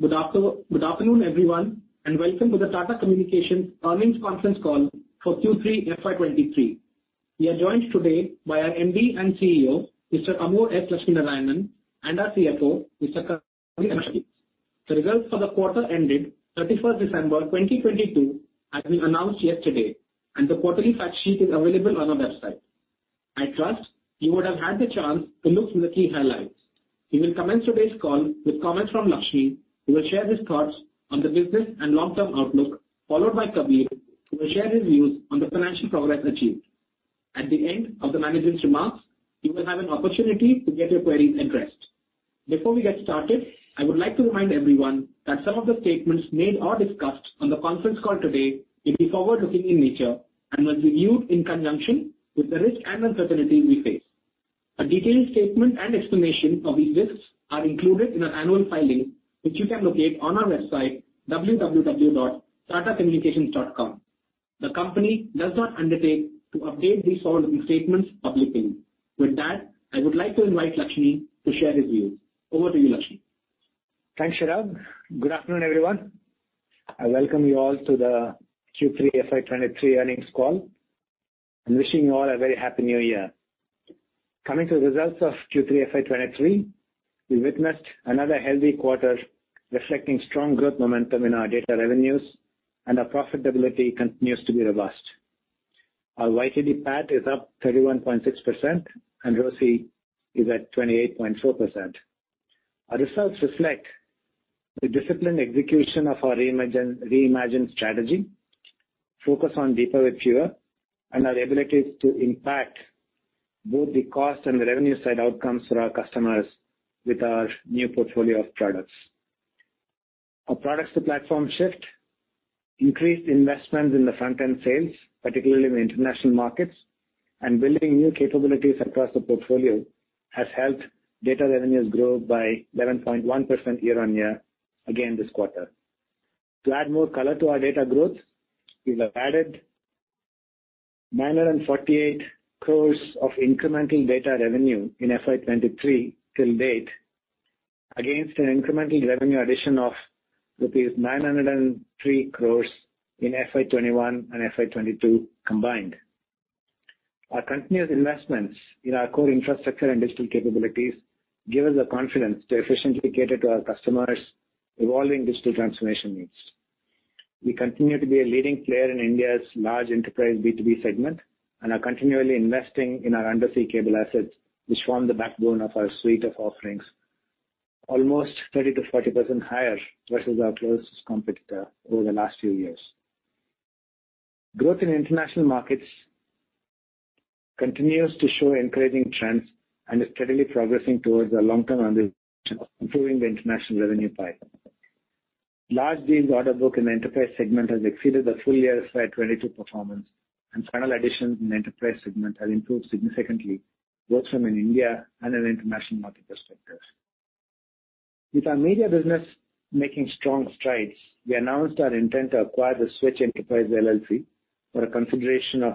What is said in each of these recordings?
Good afternoon, everyone. Welcome to the Tata Communications Earnings Conference Call for Q3 FY 2023. We are joined today by our MD and CEO, Mr. Amur S. Lakshminarayanan, and our CFO, Mr. Kabir Ahmed Shakir. The results for the quarter ending 31st December 2022 have been announced yesterday. The quarterly fact sheet is available on our website. I trust you would have had the chance to look through the key highlights. We will commence today's call with comments from Lakshmi, who will share his thoughts on the business and long-term outlook, followed by Kabir, who will share his views on the financial progress achieved. At the end of the management's remarks, you will have an opportunity to get your queries addressed. Before we get started, I would like to remind everyone that some of the statements made or discussed on the conference call today will be forward-looking in nature and must be viewed in conjunction with the risks and uncertainties we face. A detailed statement and explanation of these risks are included in our annual filing, which you can locate on our website, www.tatacommunications.com. The company does not undertake to update these forward-looking statements publicly. With that, I would like to invite Lakshmi to share his views. Over to you, Lakshmi. Thanks, Chirag. Good afternoon, everyone. I welcome you all to the Q3 FY 2023 earnings call. I'm wishing you all a very happy New Year. Coming to the results of Q3 FY 2023, we witnessed another healthy quarter reflecting strong growth momentum in our data revenues and our profitability continues to be robust. Our YTD PAT is up 31.6% and ROCE is at 28.4%. Our results reflect the disciplined execution of our reimagined strategy, focus on deeper with pure, and our abilities to impact both the cost and revenue side outcomes for our customers with our new portfolio of products. Our products to platform shift, increased investments in the front-end sales, particularly in the international markets, and building new capabilities across the portfolio has helped data revenues grow by 11.1% year-on-year again this quarter. To add more color to our data growth, we have added 948 crores of incremental data revenue in FY 2023 till date, against an incremental revenue addition of rupees 903 crores in FY 2021 and FY 2022 combined. Our continuous investments in our core infrastructure and digital capabilities give us the confidence to efficiently cater to our customers' evolving digital transformation needs. We continue to be a leading player in India's large enterprise B2B segment and are continually investing in our undersea cable assets, which form the backbone of our suite of offerings, almost 30%-40% higher versus our closest competitor over the last few years. Growth in international markets continues to show encouraging trends and is steadily progressing towards our long-term ambition of improving the international revenue pipe. Large deals order book in the enterprise segment has exceeded the full year FY 2022 performance, Final additions in the enterprise segment have improved significantly, both from an India and an international market perspective. With our media business making strong strides, we announced our intent to acquire The Switch Enterprises LLC for a consideration of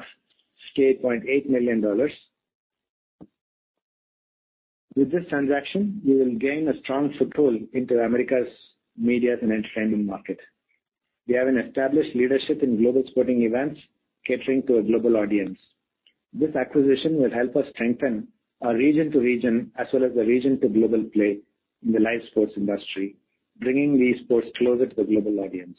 $8.8 million. With this transaction, we will gain a strong foothold into America's media and entertainment market. We have an established leadership in global sporting events, catering to a global audience. This acquisition will help us strengthen our region to region as well as the region to global play in the live sports industry, bringing these sports closer to the global audience.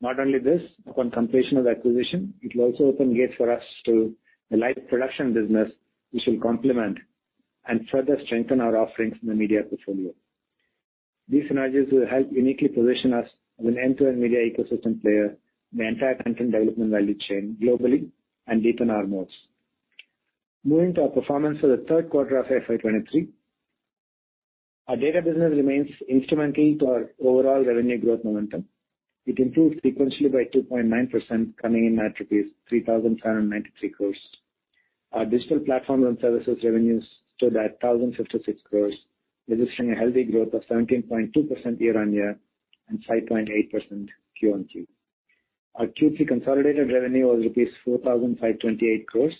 Not only this, upon completion of the acquisition, it will also open gates for us to the live production business, which will complement and further strengthen our offerings in the media portfolio. These synergies will help uniquely position us as an end-to-end media ecosystem player in the entire content development value chain globally and deepen our modes. Moving to our performance for the third quarter of FY 2023, our data business remains instrumental to our overall revenue growth momentum. It improved sequentially by 2.9%, coming in at rupees 3,793 crores. Our digital platform and services revenues stood at 1,056 crores, registering a healthy growth of 17.2% year-on-year and 5.8% Q on Q. Our Q3 consolidated revenue was rupees 4,528 crores,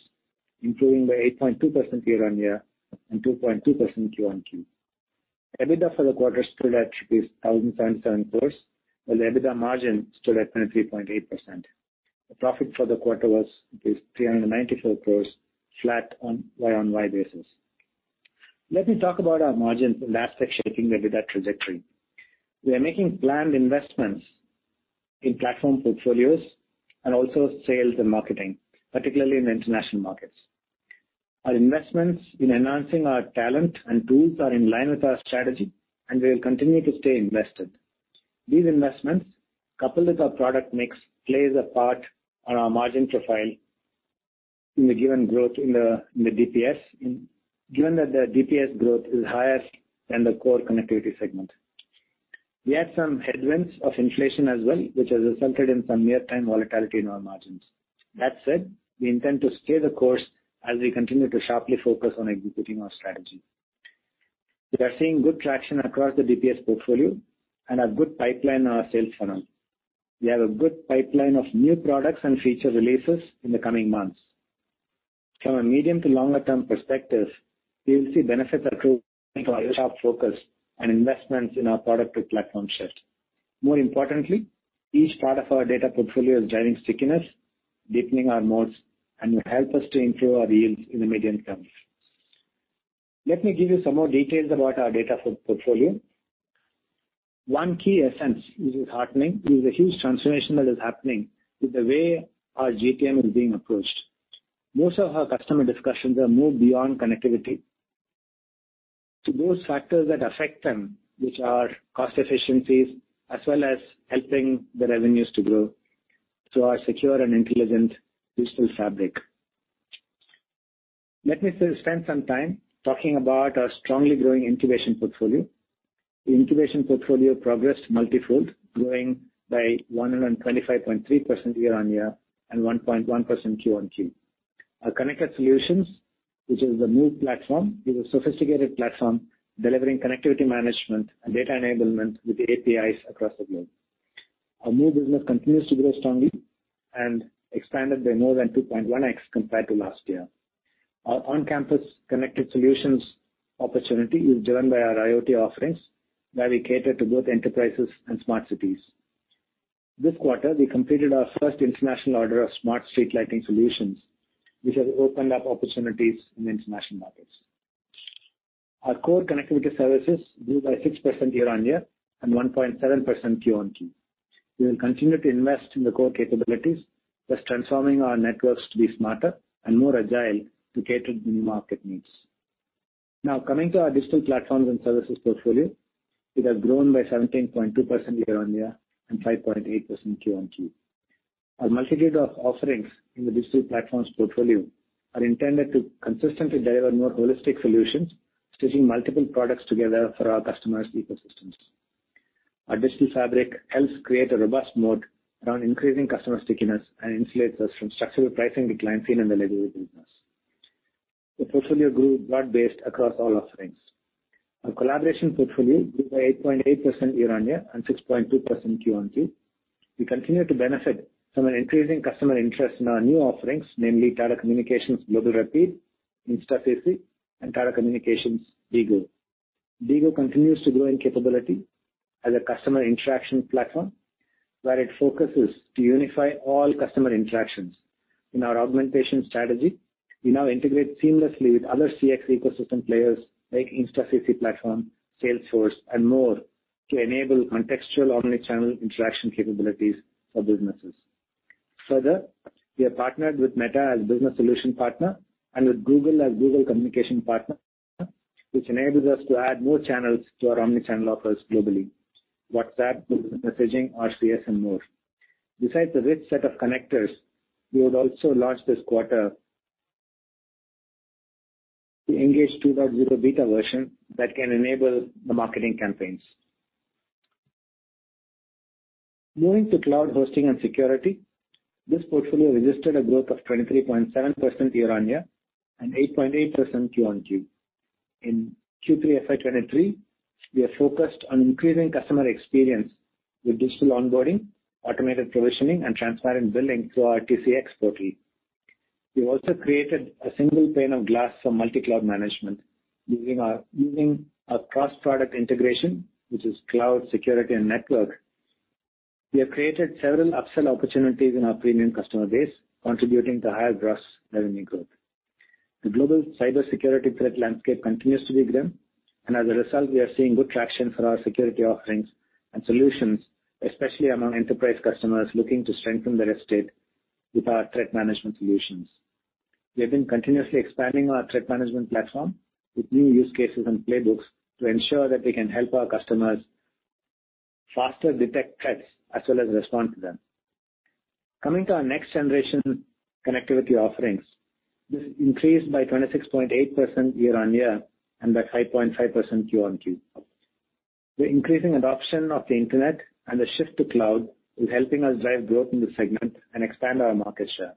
improving by 8.2% year-on-year and 2.2% Q on Q. EBITDA for the quarter stood at INR 1,077 crores, while EBITDA margin stood at 23.8%. The profit for the quarter was 394 crores, flat on Y-on-Y basis. Let me talk about our margins, the aspects shaping the EBITDA trajectory. We are making planned investments in platform portfolios and also sales and marketing, particularly in the international markets. Our investments in enhancing our talent and tools are in line with our strategy, and we will continue to stay invested. These investments, coupled with our product mix, plays a part on our margin profile in the given growth in the DPS, given that the DPS growth is higher than the core connectivity segment. We had some headwinds of inflation as well, which has resulted in some near-time volatility in our margins. That said, we intend to stay the course as we continue to sharply focus on executing our strategy. We are seeing good traction across the DPS portfolio and a good pipeline on our sales funnel. We have a good pipeline of new products and feature releases in the coming months. From a medium to longer term perspective, we will see benefits accruing from our sharp focus and investments in our product with platform shift. More importantly, each part of our data portfolio is driving stickiness, deepening our modes, and will help us to improve our yields in the medium term. Let me give you some more details about our data portfolio. One key essence which is heartening is the huge transformation that is happening with the way our GTM is being approached. Most of our customer discussions are moved beyond connectivity to those factors that affect them, which are cost efficiencies, as well as helping the revenues to grow through our secure and intelligent digital fabric. Let me spend some time talking about our strongly growing incubation portfolio. The incubation portfolio progressed multifold, growing by 125.3% year-on-year and 1.1% Q on Q. Our connected solutions, which is the MOVE platform, is a sophisticated platform delivering connectivity management and data enablement with APIs across the globe. Our MOVE business continues to grow strongly and expanded by more than 2.1x compared to last year. Our on-campus connected solutions opportunity is driven by our IoT offerings, where we cater to both enterprises and smart cities. This quarter, we completed our first international order of smart street lighting solutions, which have opened up opportunities in international markets. Our core connectivity services grew by 6% year-on-year and 1.7% Q-on-Q. We will continue to invest in the core capabilities, thus transforming our networks to be smarter and more agile to cater to the new market needs. Coming to our digital platforms and services portfolio, it has grown by 17.2% year-on-year and 5.8% Q-on-Q. Our multitude of offerings in the digital platforms portfolio are intended to consistently deliver more holistic solutions, stitching multiple products together for our customers' ecosystems. Our digital fabric helps create a robust moat around increasing customer stickiness and insulates us from structural pricing decline seen in the legacy business. The portfolio grew broad-based across all offerings. Our collaboration portfolio grew by 8.8% year-on-year and 6.2% Q-on-Q. We continue to benefit from an increasing customer interest in our new offerings, namely Tata Communications Global Rapid, InstaCC, and Tata Communications DIGO. DIGO continues to grow in capability as a customer interaction platform, where it focuses to unify all customer interactions. In our augmentation strategy, we now integrate seamlessly with other CX ecosystem players like InstaCC platform, Salesforce, and more to enable contextual omnichannel interaction capabilities for businesses. Further, we have partnered with Meta as a business solution partner and with Google as Google Communication partner, which enables us to add more channels to our omnichannel offers globally, WhatsApp, Google Messaging, RCS, and more. Besides the rich set of connectors, we would also launch this quarter the Engage 2.0 beta version that can enable the marketing campaigns. Moving to cloud hosting and security, this portfolio registered a growth of 23.7% year-on-year and 8.8% Q-on-Q. In Q3 FY 2023, we are focused on increasing customer experience with digital onboarding, automated provisioning, and transparent billing through our TCx portal. We also created a single pane of glass for multi-cloud management using our cross-product integration, which is cloud security and network. We have created several upsell opportunities in our premium customer base, contributing to higher gross revenue growth. The global cybersecurity threat landscape continues to be grim, as a result, we are seeing good traction for our security offerings and solutions, especially among enterprise customers looking to strengthen their estate with our threat management solutions. We have been continuously expanding our threat management platform with new use cases and playbooks to ensure that we can help our customers faster detect threats as well as respond to them. Coming to our next-generation connectivity offerings, this increased by 26.8% year-on-year and by 5.5% Q-on-Q. The increasing adoption of the Internet and the shift to cloud is helping us drive growth in this segment and expand our market share.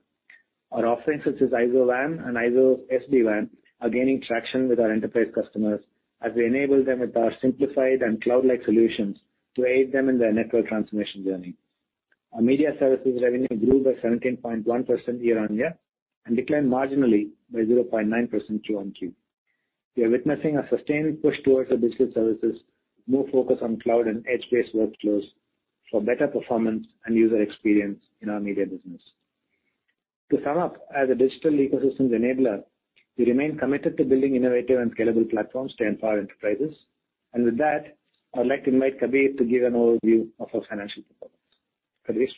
Our offerings such as IZO WAN and IZO SDWAN are gaining traction with our enterprise customers as we enable them with our simplified and cloud-like solutions to aid them in their network transformation journey. Our media services revenue grew by 17.1% year-on-year and declined marginally by 0.9% Q-on-Q. We are witnessing a sustained push towards the digital services, more focus on cloud and edge-based workflows for better performance and user experience in our media business. To sum up, as a digital ecosystems enabler, we remain committed to building innovative and scalable platforms to empower enterprises. With that, I would like to invite Kabir to give an overview of our financial performance. Kabir?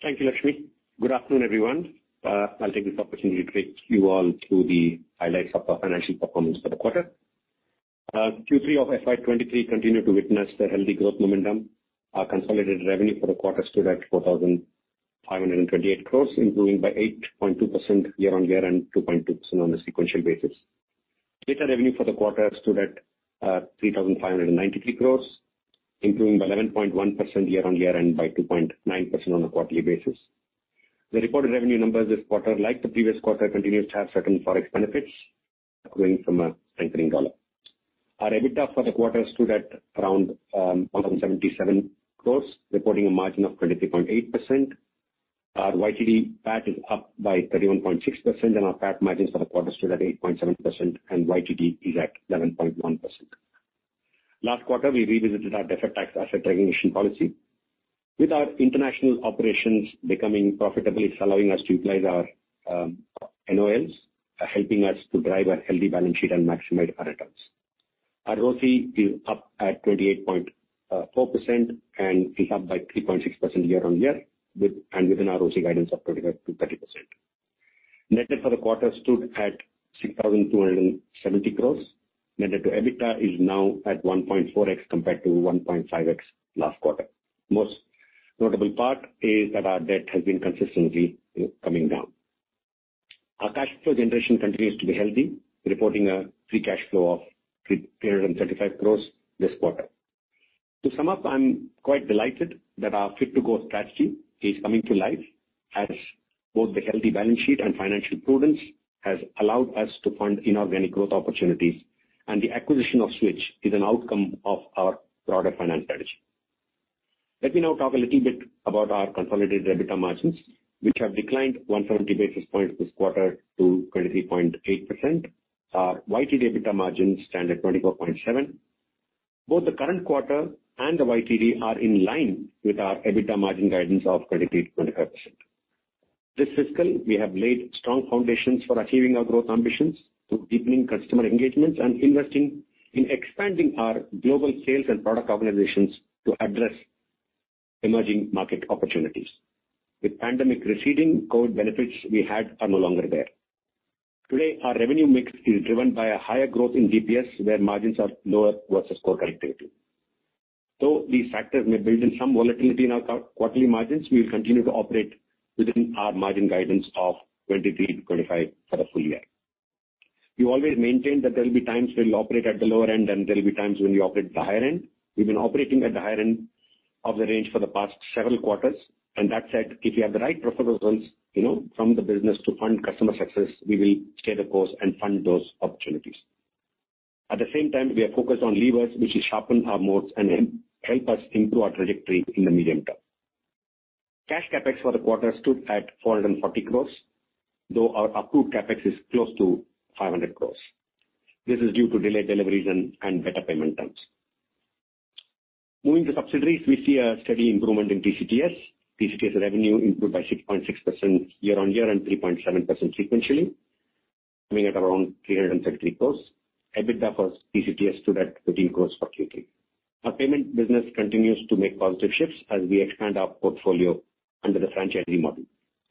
Thank you, Lakshmi. Good afternoon, everyone. I'll take this opportunity to take you all through the highlights of our financial performance for the quarter. Q3 of FY 2023 continued to witness the healthy growth momentum. Our consolidated revenue for the quarter stood at 4,528 crores, improving by 8.2% year-on-year and 2.2% on a sequential basis. Data revenue for the quarter stood at 3,593 crores, improving by 11.1% year-on-year and by 2.9% on a quarterly basis. The reported revenue numbers this quarter, like the previous quarter, continues to have certain Forex benefits going from a strengthening dollar. Our EBITDA for the quarter stood at around 177 crores, reporting a margin of 23.8%. Our YTD PAT is up by 31.6% and our PAT margins for the quarter stood at 8.7% and YTD is at 11.1%. Last quarter, we revisited our deferred tax asset recognition policy. With our international operations becoming profitable, it's allowing us to utilize our NOLs, helping us to drive a healthy balance sheet and maximize our returns. Our ROC is up at 28.4% and is up by 3.6% year-on-year with, and within our ROC guidance of 25%-30%. Net debt for the quarter stood at 6,270 crores. Net debt to EBITDA is now at 1.4x compared to 1.5x last quarter. Most notable part is that our debt has been consistently coming down. Our cash flow generation continues to be healthy, reporting a free cash flow of 335 crores this quarter. To sum up, I'm quite delighted that our fit to grow strategy is coming to life as both the healthy balance sheet and financial prudence has allowed us to fund inorganic growth opportunities, and the acquisition of Switch is an outcome of our broader finance strategy. Let me now talk a little bit about our consolidated EBITDA margins, which have declined 100 basis points this quarter to 23.8%. Our YTD EBITDA margins stand at 24.7%. Both the current quarter and the YTD are in line with our EBITDA margin guidance of 23%-25%. This fiscal, we have laid strong foundations for achieving our growth ambitions through deepening customer engagements and investing in expanding our global sales and product organizations to address emerging market opportunities. With pandemic receding, COVID benefits we had are no longer there. Today, our revenue mix is driven by a higher growth in DPS, where margins are lower versus core connectivity. These factors may build in some volatility in our quarterly margins, we will continue to operate within our margin guidance of 23%-25% for the full year. We always maintain that there will be times we'll operate at the lower end, and there will be times when we operate at the higher end. We've been operating at the higher end of the range for the past several quarters. That said, if we have the right profitable results, you know, from the business to fund customer success, we will stay the course and fund those opportunities. At the same time, we are focused on levers which will sharpen our moats and help us improve our trajectory in the medium term. Cash CapEx for the quarter stood at 440 crores, though our approved CapEx is close to 500 crores. This is due to delayed deliveries and better payment terms. Moving to subsidiaries, we see a steady improvement in TCTS. TCTS revenue improved by 6.6% year-on-year and 3.7% sequentially, coming at around 333 crores. EBITDA for TCTS stood at 13 crores for Q3. Our payment business continues to make positive shifts as we expand our portfolio under the franchisee model.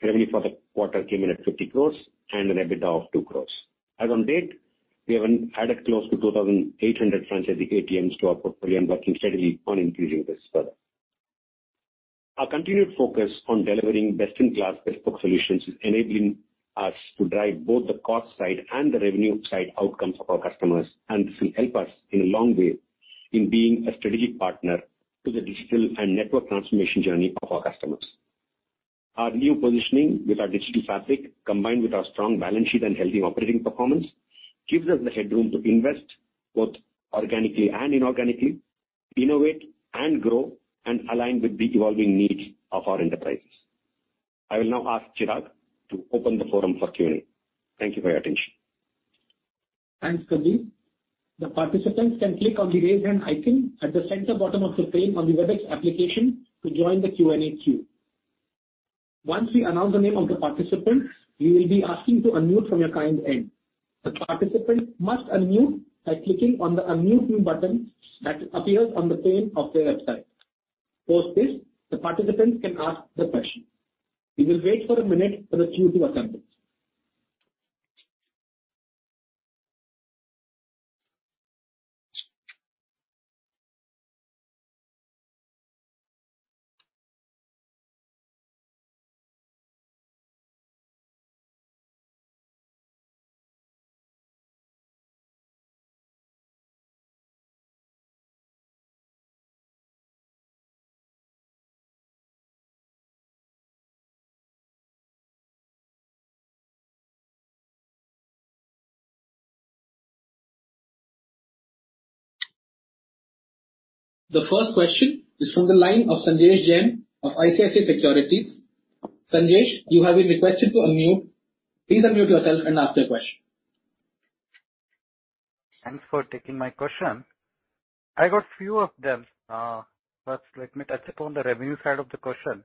Revenue for the quarter came in at 50 crores and an EBITDA of 2 crores. As on date, we have added close to 2,800 franchisee ATMs to our portfolio and working steadily on increasing this further. Our continued focus on delivering best-in-class bespoke solutions is enabling us to drive both the cost side and the revenue side outcomes of our customers. This will help us in a long way in being a strategic partner to the digital and network transformation journey of our customers. Our new positioning with our digital fabric, combined with our strong balance sheet and healthy operating performance, gives us the headroom to invest, both organically and inorganically, innovate and grow, align with the evolving needs of our enterprises. I will now ask Chirag to open the forum for Q&A. Thank you for your attention. Thanks, Kabir. The participants can click on the Raise Hand icon at the center bottom of the page on the WebEx application to join the Q&A queue. Once we announce the name of the participant, we will be asking to unmute from your kind end. The participant must unmute by clicking on the Unmute Me button that appears on the page of their website. Post this, the participant can ask the question. We will wait for a minute for the queue to assemble. The first question is from the line of Sanjesh Jain of ICICI Securities. Sanjesh, you have been requested to unmute. Please unmute yourself and ask your question. Thanks for taking my question. I got few of them. First, let me touch upon the revenue side of the question.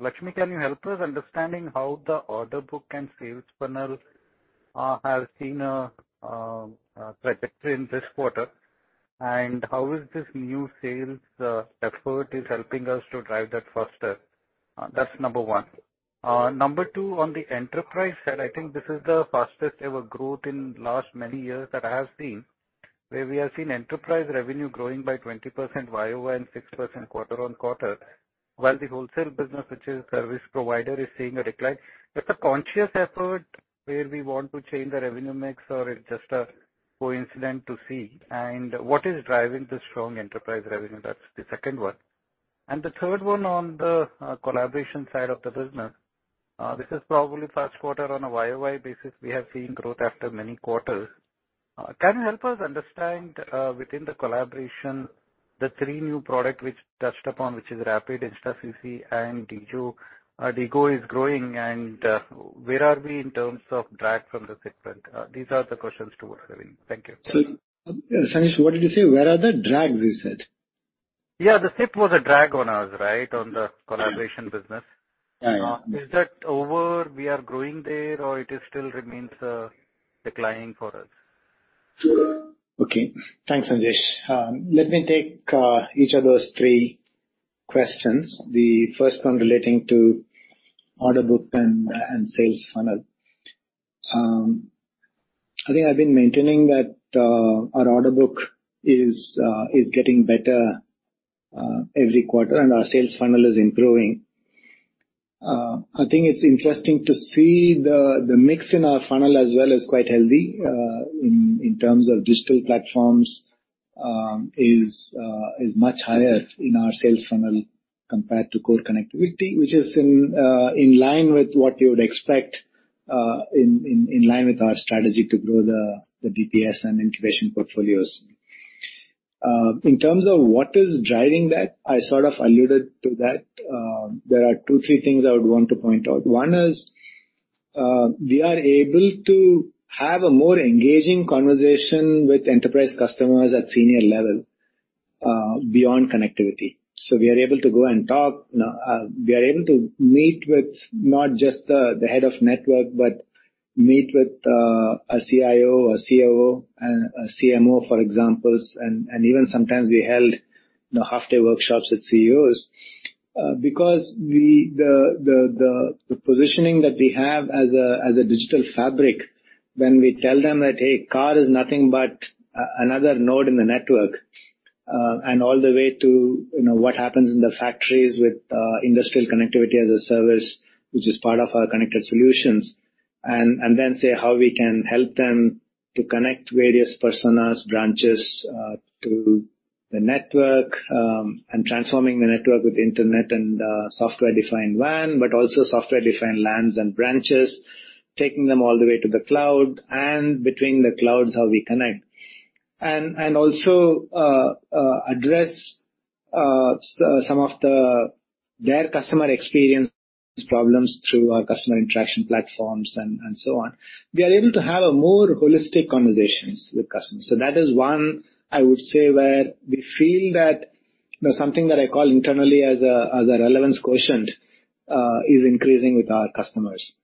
Lakshmi, can you help us understanding how the order book and sales funnel have seen a trajectory in this quarter? How is this new sales effort is helping us to drive that faster? That's number one. Number two, on the enterprise side, I think this is the fastest ever growth in last many years that I have seen, where we have seen enterprise revenue growing by 20% YOY and 6% quarter-on-quarter, while the wholesale business, which is service provider, is seeing a decline. Is it a conscious effort where we want to change the revenue mix or it's just a coincidence to see? What is driving this strong enterprise revenue? That's the second one. And the third one on the collaboration side of the business. This is probably first quarter on a YOY basis we have seen growth after many quarters. Can you help us understand within the collaboration, the three new product which touched upon, which is Global Rapide, Insta CC, and DIGO. DIGO is growing, and where are we in terms of drag from the segment? These are the questions to Sanjesh, what did you say? Where are the drags you said? Yeah, the SIP was a drag on us, right? On the collaboration business. Yeah, yeah. Is that over, we are growing there, or it is still remains declining for us? Okay. Thanks, Sanjesh. Let me take each of those three questions. The first one relating to order book and sales funnel. I think I've been maintaining that our order book is getting better every quarter and our sales funnel is improving. I think it's interesting to see the mix in our funnel as well is quite healthy in terms of digital platforms is much higher in our sales funnel compared to core connectivity, which is in line with what you would expect in line with our strategy to grow the BPS and incubation portfolios. In terms of what is driving that, I sort of alluded to that. There are two, three things I would want to point out. One is, we are able to have a more engaging conversation with enterprise customers at senior level, beyond connectivity. We are able to go and talk. You know, we are able to meet with not just the head of network, but meet with, a CIO, a COO and a CMO, for examples. Even sometimes we held, you know, half-day workshops with CEOs. The positioning that we have as a, as a digital fabric, when we tell them that, "Hey, car is nothing but another node in the network," and all the way to, you know, what happens in the factories with, industrial connectivity as a service, which is part of our connected solutions. Then say how we can help them to connect various personas, branches to the network and transforming the network with internet and software-defined WAN, but also software-defined LANs and branches, taking them all the way to the cloud, and between the clouds, how we connect. Also address some of their customer experience problems through our customer interaction platforms and so on. We are able to have a more holistic conversations with customers. That is one, I would say, where we feel that, you know, something that I call internally as a relevance quotient is increasing with our customers.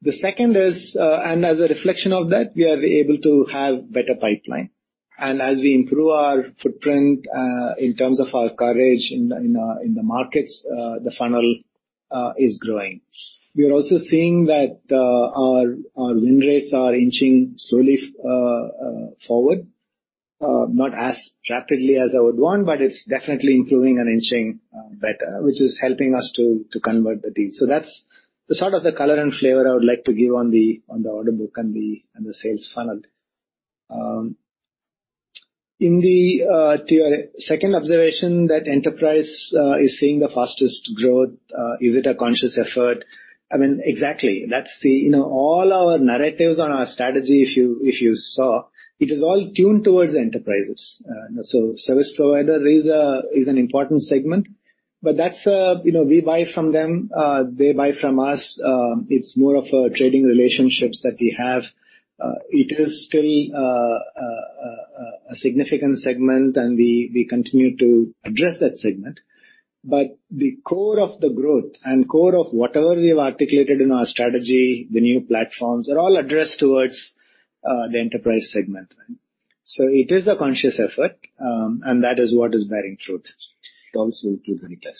The second is, and as a reflection of that, we are able to have better pipeline. As we improve our footprint, in terms of our coverage in the markets, the funnel is growing. We are also seeing that our win rates are inching slowly forward, not as rapidly as I would want, but it's definitely improving and inching better, which is helping us to convert the deal. That's the sort of the color and flavor I would like to give on the order book and the sales funnel. In the to your second observation that enterprise is seeing the fastest growth, is it a conscious effort? I mean, exactly. You know, all our narratives on our strategy, if you saw, it is all tuned towards the enterprises. Service provider is an important segment, but that's, you know, we buy from them, they buy from us, it's more of a trading relationships that we have. It is still a significant segment, and we continue to address that segment. The core of the growth and core of whatever we have articulated in our strategy, the new platforms, are all addressed towards the enterprise segment. It is a conscious effort, and that is what is bearing fruit. It also includes reclass.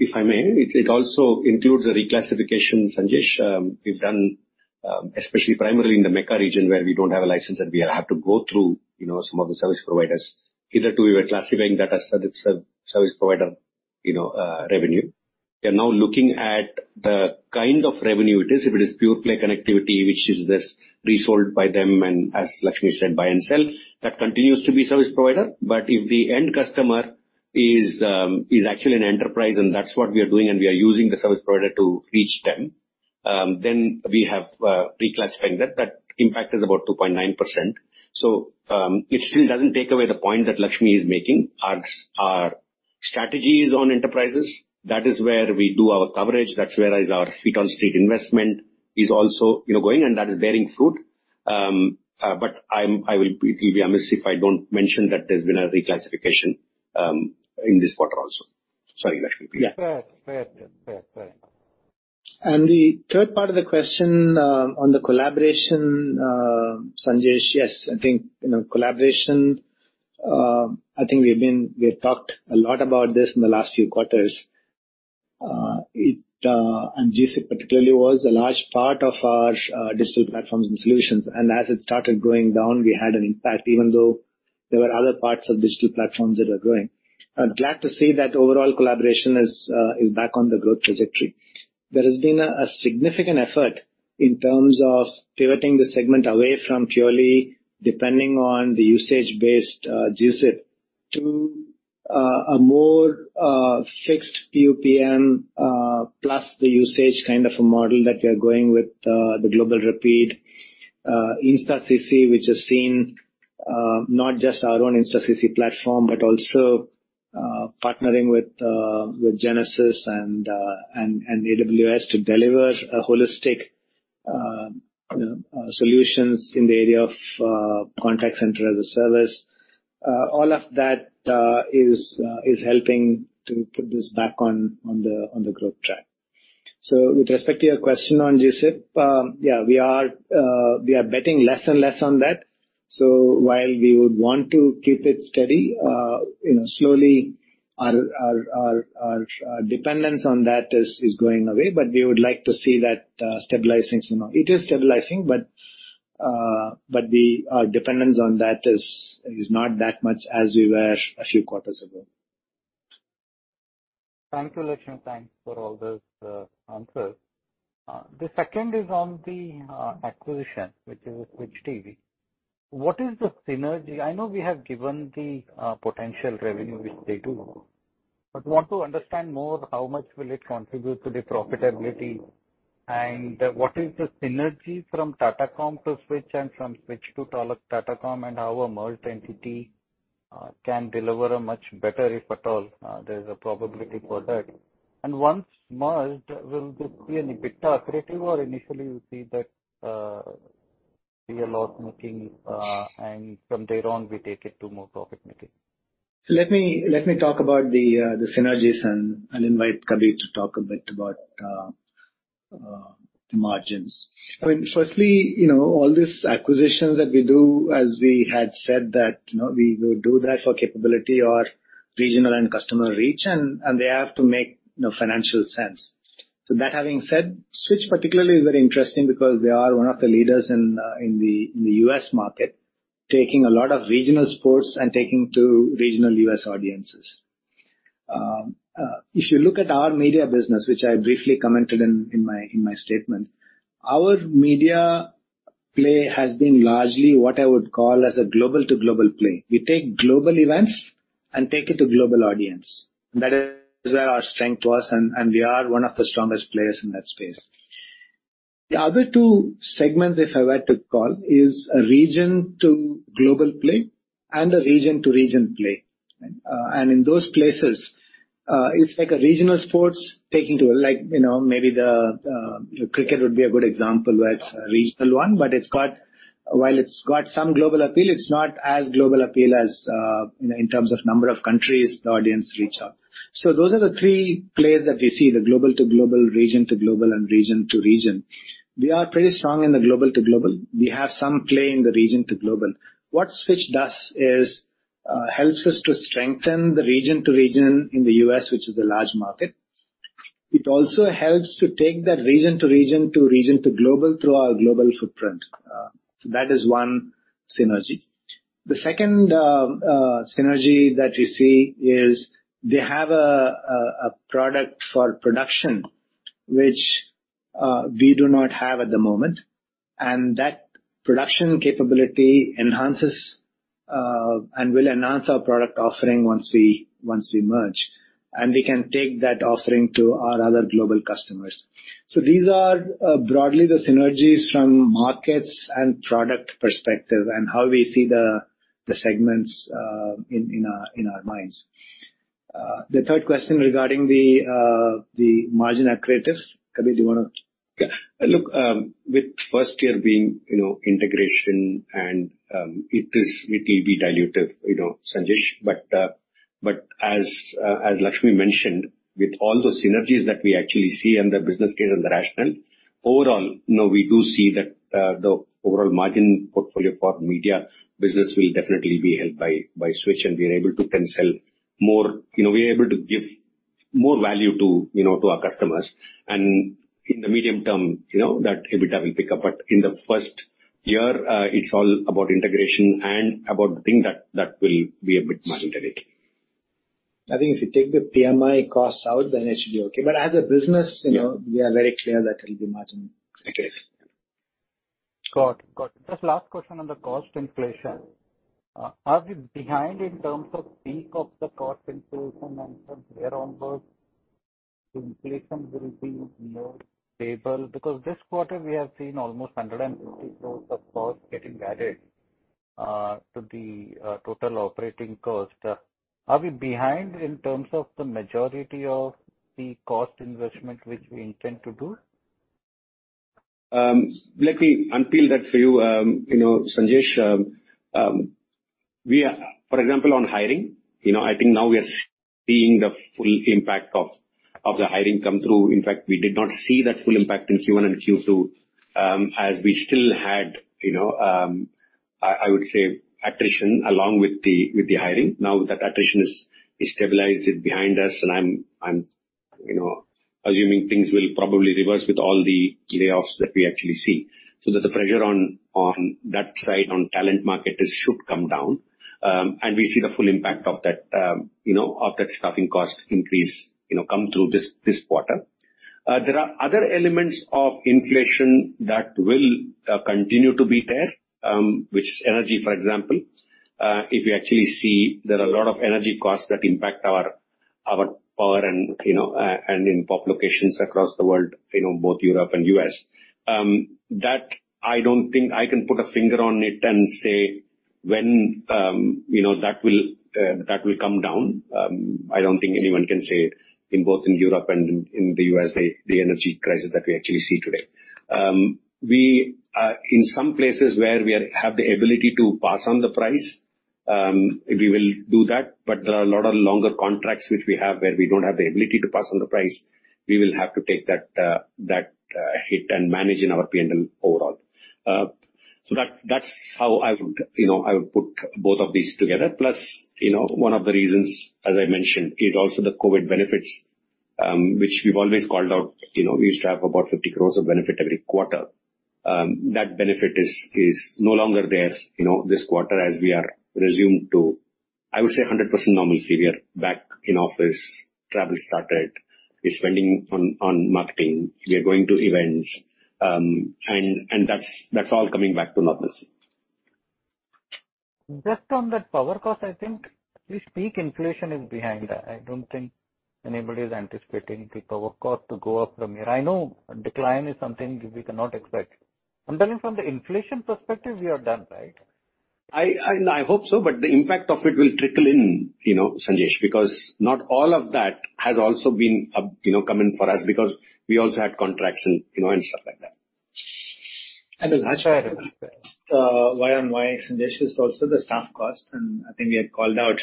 If I may, it also includes a reclassification, Sanjesh. We've done especially primarily in the Mecca region where we don't have a license and we have to go through, you know, some of the service providers. Hitherto we were classifying that as a service provider, you know, revenue. We are now looking at the kind of revenue it is. If it is pure play connectivity, which is this resold by them, and as Lakshmi said, buy and sell, that continues to be service provider. If the end customer is actually an enterprise and that's what we are doing and we are using the service provider to reach them, then we have reclassified that. That impact is about 2.9%. Which still doesn't take away the point that Lakshmi is making. Our strategy is on enterprises. That is where we do our coverage. That's where is our feet on street investment is also, you know, going, and that is bearing fruit. It will be remiss if I don't mention that there's been a reclassification in this quarter also. Sorry, Lakshmi. Yeah. Fair. Fair. Fair. Fair. The third part of the question, on the collaboration, Sanjesh, yes, I think, you know, collaboration, I think we have talked a lot about this in the last few quarters. It, GC particularly was a large part of our digital platforms and solutions, and as it started going down, we had an impact, even though there were other parts of digital platforms that are growing. I'm glad to say that overall collaboration is back on the growth trajectory. There has been a significant effort- In terms of pivoting the segment away from purely depending on the usage-based, GSIP to a more fixed PMP plus the usage kind of a model that we are going with, the Global Rapide, InstaCC, which has seen not just our own InstaCC platform, but also partnering with Genesys and AWS to deliver a holistic, you know, solutions in the area of Contact Center as a Service. All of that is helping to put this back on the growth track. With respect to your question on GSIP, yeah, we are betting less and less on that. While we would want to keep it steady, you know, slowly our, our, dependence on that is going away. We would like to see that, stabilizing. Now it is stabilizing, but the dependence on that is not that much as we were a few quarters ago. Thank you, Lakshmi. Thanks for all those answers. The second is on the acquisition, which is The Switch. What is the synergy? I know we have given the potential revenue which they do, but want to understand more how much will it contribute to the profitability and what is the synergy from Tatacom to Switch and from Switch to Tatacom and how a merged entity can deliver a much better, if at all, there's a probability for that. Once merged, will this be an EBITDA accretive or initially you see that be a loss-making, and from there on we take it to more profit-making? Let me talk about the synergies and invite Kabir to talk a bit about margins. Firstly, you know, all these acquisitions that we do, as we had said that, you know, we would do that for capability or regional and customer reach and they have to make, you know, financial sense. That having said, The Switch particularly is very interesting because they are one of the leaders in the U.S. market, taking a lot of regional sports and taking to regional U.S. audiences. If you look at our media business, which I briefly commented in my statement, our media play has been largely what I would call as a global-to-global play. We take global events and take it to global audience. That is where our strength was, and we are one of the strongest players in that space. The other two segments, if I were to call, is a region-to-global play and a region-to-region play. In those places, it's like a regional sports taking to like, you know, maybe the cricket would be a good example where it's a regional one. While it's got some global appeal, it's not as global appeal as, you know, in terms of number of countries the audience reach out. Those are the three players that we see, the global to global, region to global and region to region. We are pretty strong in the global to global. We have some play in the region to global. What Switch does is, helps us to strengthen the region to region in the U.S., which is a large market. It also helps to take that region to region to region to global through our global footprint. That is one synergy. The second synergy that we see is they have a product for production which we do not have at the moment, and that production capability enhances and will enhance our product offering once we merge, and we can take that offering to our other global customers. These are broadly the synergies from markets and product perspective and how we see the segments in our minds. The third question regarding the margin accretive. Kabir, do you wanna- Yeah. Look, with first year being, you know, integration and it will be dilutive, you know, Sanjesh. As Lakshmi mentioned, with all those synergies that we actually see and the business case and the rationale, overall, you know, we do see that the overall margin portfolio for media business will definitely be helped by The Switch and being able to then sell more, you know, we're able to give more value to, you know, to our customers. In the medium term, you know, that EBITDA will pick up. In the first year, it's all about integration and about the thing that will be a bit margin dilutive. I think if you take the PMI costs out, then it should be okay. But as a business- Yeah. you know, we are very clear that it'll be margin accretive. Got it. Got it. Just last question on the cost inflation. Are we behind in terms of peak of the cost inflation and from there onwards inflation will be more stable? This quarter we have seen almost 150 crores of cost getting added, to the total operating cost. Are we behind in terms of the majority of the cost investment which we intend to do? Let me unpeel that for you know, Sanjesh. For example, on hiring, you know, I think now we are seeing the full impact of the hiring come through. In fact, we did not see that full impact in Q1 and Q2, as we still had, you know, I would say attrition along with the hiring. Now that attrition is stabilized, it's behind us and I'm, you know, assuming things will probably reverse with all the layoffs that we actually see. So that the pressure on that side on talent market should come down. We see the full impact of that, you know, of that staffing cost increase, you know, come through this quarter. There are other elements of inflation that will continue to be there, which energy, for example. If you actually see there are a lot of energy costs that impact our power and, you know, and in pop locations across the world, you know, both Europe and U.S. That I don't think I can put a finger on it and say when, you know, that will come down. I don't think anyone can say in both in Europe and in the U.S., the energy crisis that we actually see today. We are in some places where we have the ability to pass on the price, we will do that, but there are a lot of longer contracts which we have where we don't have the ability to pass on the price. We will have to take that hit and manage in our P&L overall. That's how I would, you know, I would put both of these together. You know, one of the reasons, as I mentioned, is also the COVID benefits, which we've always called out. You know, we used to have about 50 crores of benefit every quarter. That benefit is no longer there, you know, this quarter as we are resumed to, I would say 100% normalcy. We are back in office. Travel started. We're spending on marketing. We are going to events. That's all coming back to normalcy. Just on that power cost, I think we speak inflation is behind that. I don't think anybody is anticipating the power cost to go up from here. I know decline is something we cannot expect. I'm telling you from the inflation perspective, we are done, right? I hope so, but the impact of it will trickle in, you know, Sanjesh, because not all of that has also been up, you know, come in for us because we also had contracts and, you know, and stuff like that. Understood. That's why I understand. The Y-o-Y, Sanjesh, is also the staff cost. I think we had called out,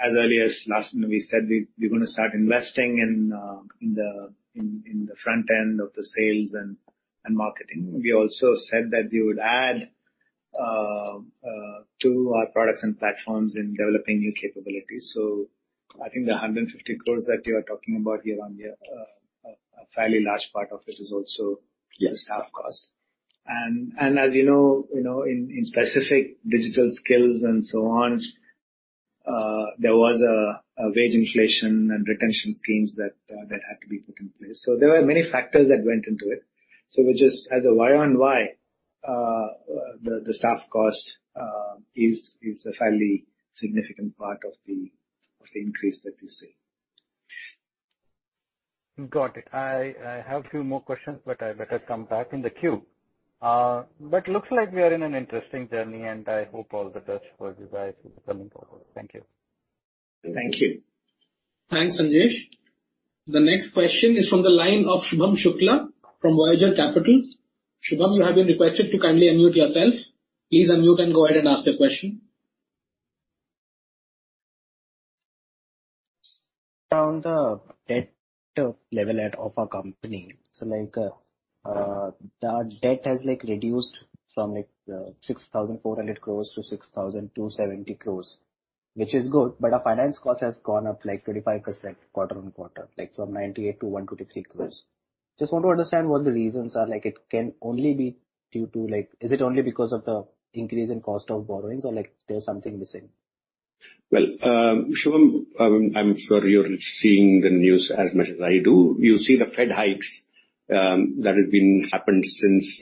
as early as last. You know, we said we're gonna start investing in the front end of the sales and marketing. We also said that we would add to our products and platforms in developing new capabilities. I think the 150 crore that you are talking about here, Ramya, a fairly large part of it is also. Yes. the staff cost. As you know, you know, in specific digital skills and so on, there was a wage inflation and retention schemes that had to be put in place. There were many factors that went into it. Which is as a Y on Y, the staff cost is a fairly significant part of the increase that we see. Got it. I have few more questions, but I better come back in the queue. Looks like we are in an interesting journey, and I hope all the best for you guys in the coming quarter. Thank you. Thank you. Thanks, Sanjesh. The next question is from the line of Shubham Shukla from Voyager Capital. Shubham, you have been requested to kindly unmute yourself. Please unmute and go ahead and ask your question. From the debt level of our company. Like, the debt has like reduced from like, 6,400 crores to 6,270 crores, which is good. Our finance cost has gone up like 25% quarter-on-quarter, like from 98 to 123 crores. Just want to understand what the reasons are. Like, it can only be due to like... Is it only because of the increase in cost of borrowings or, like, there's something missing? Shubham, I'm sure you're seeing the news as much as I do. You see the Fed hikes, that has been happened since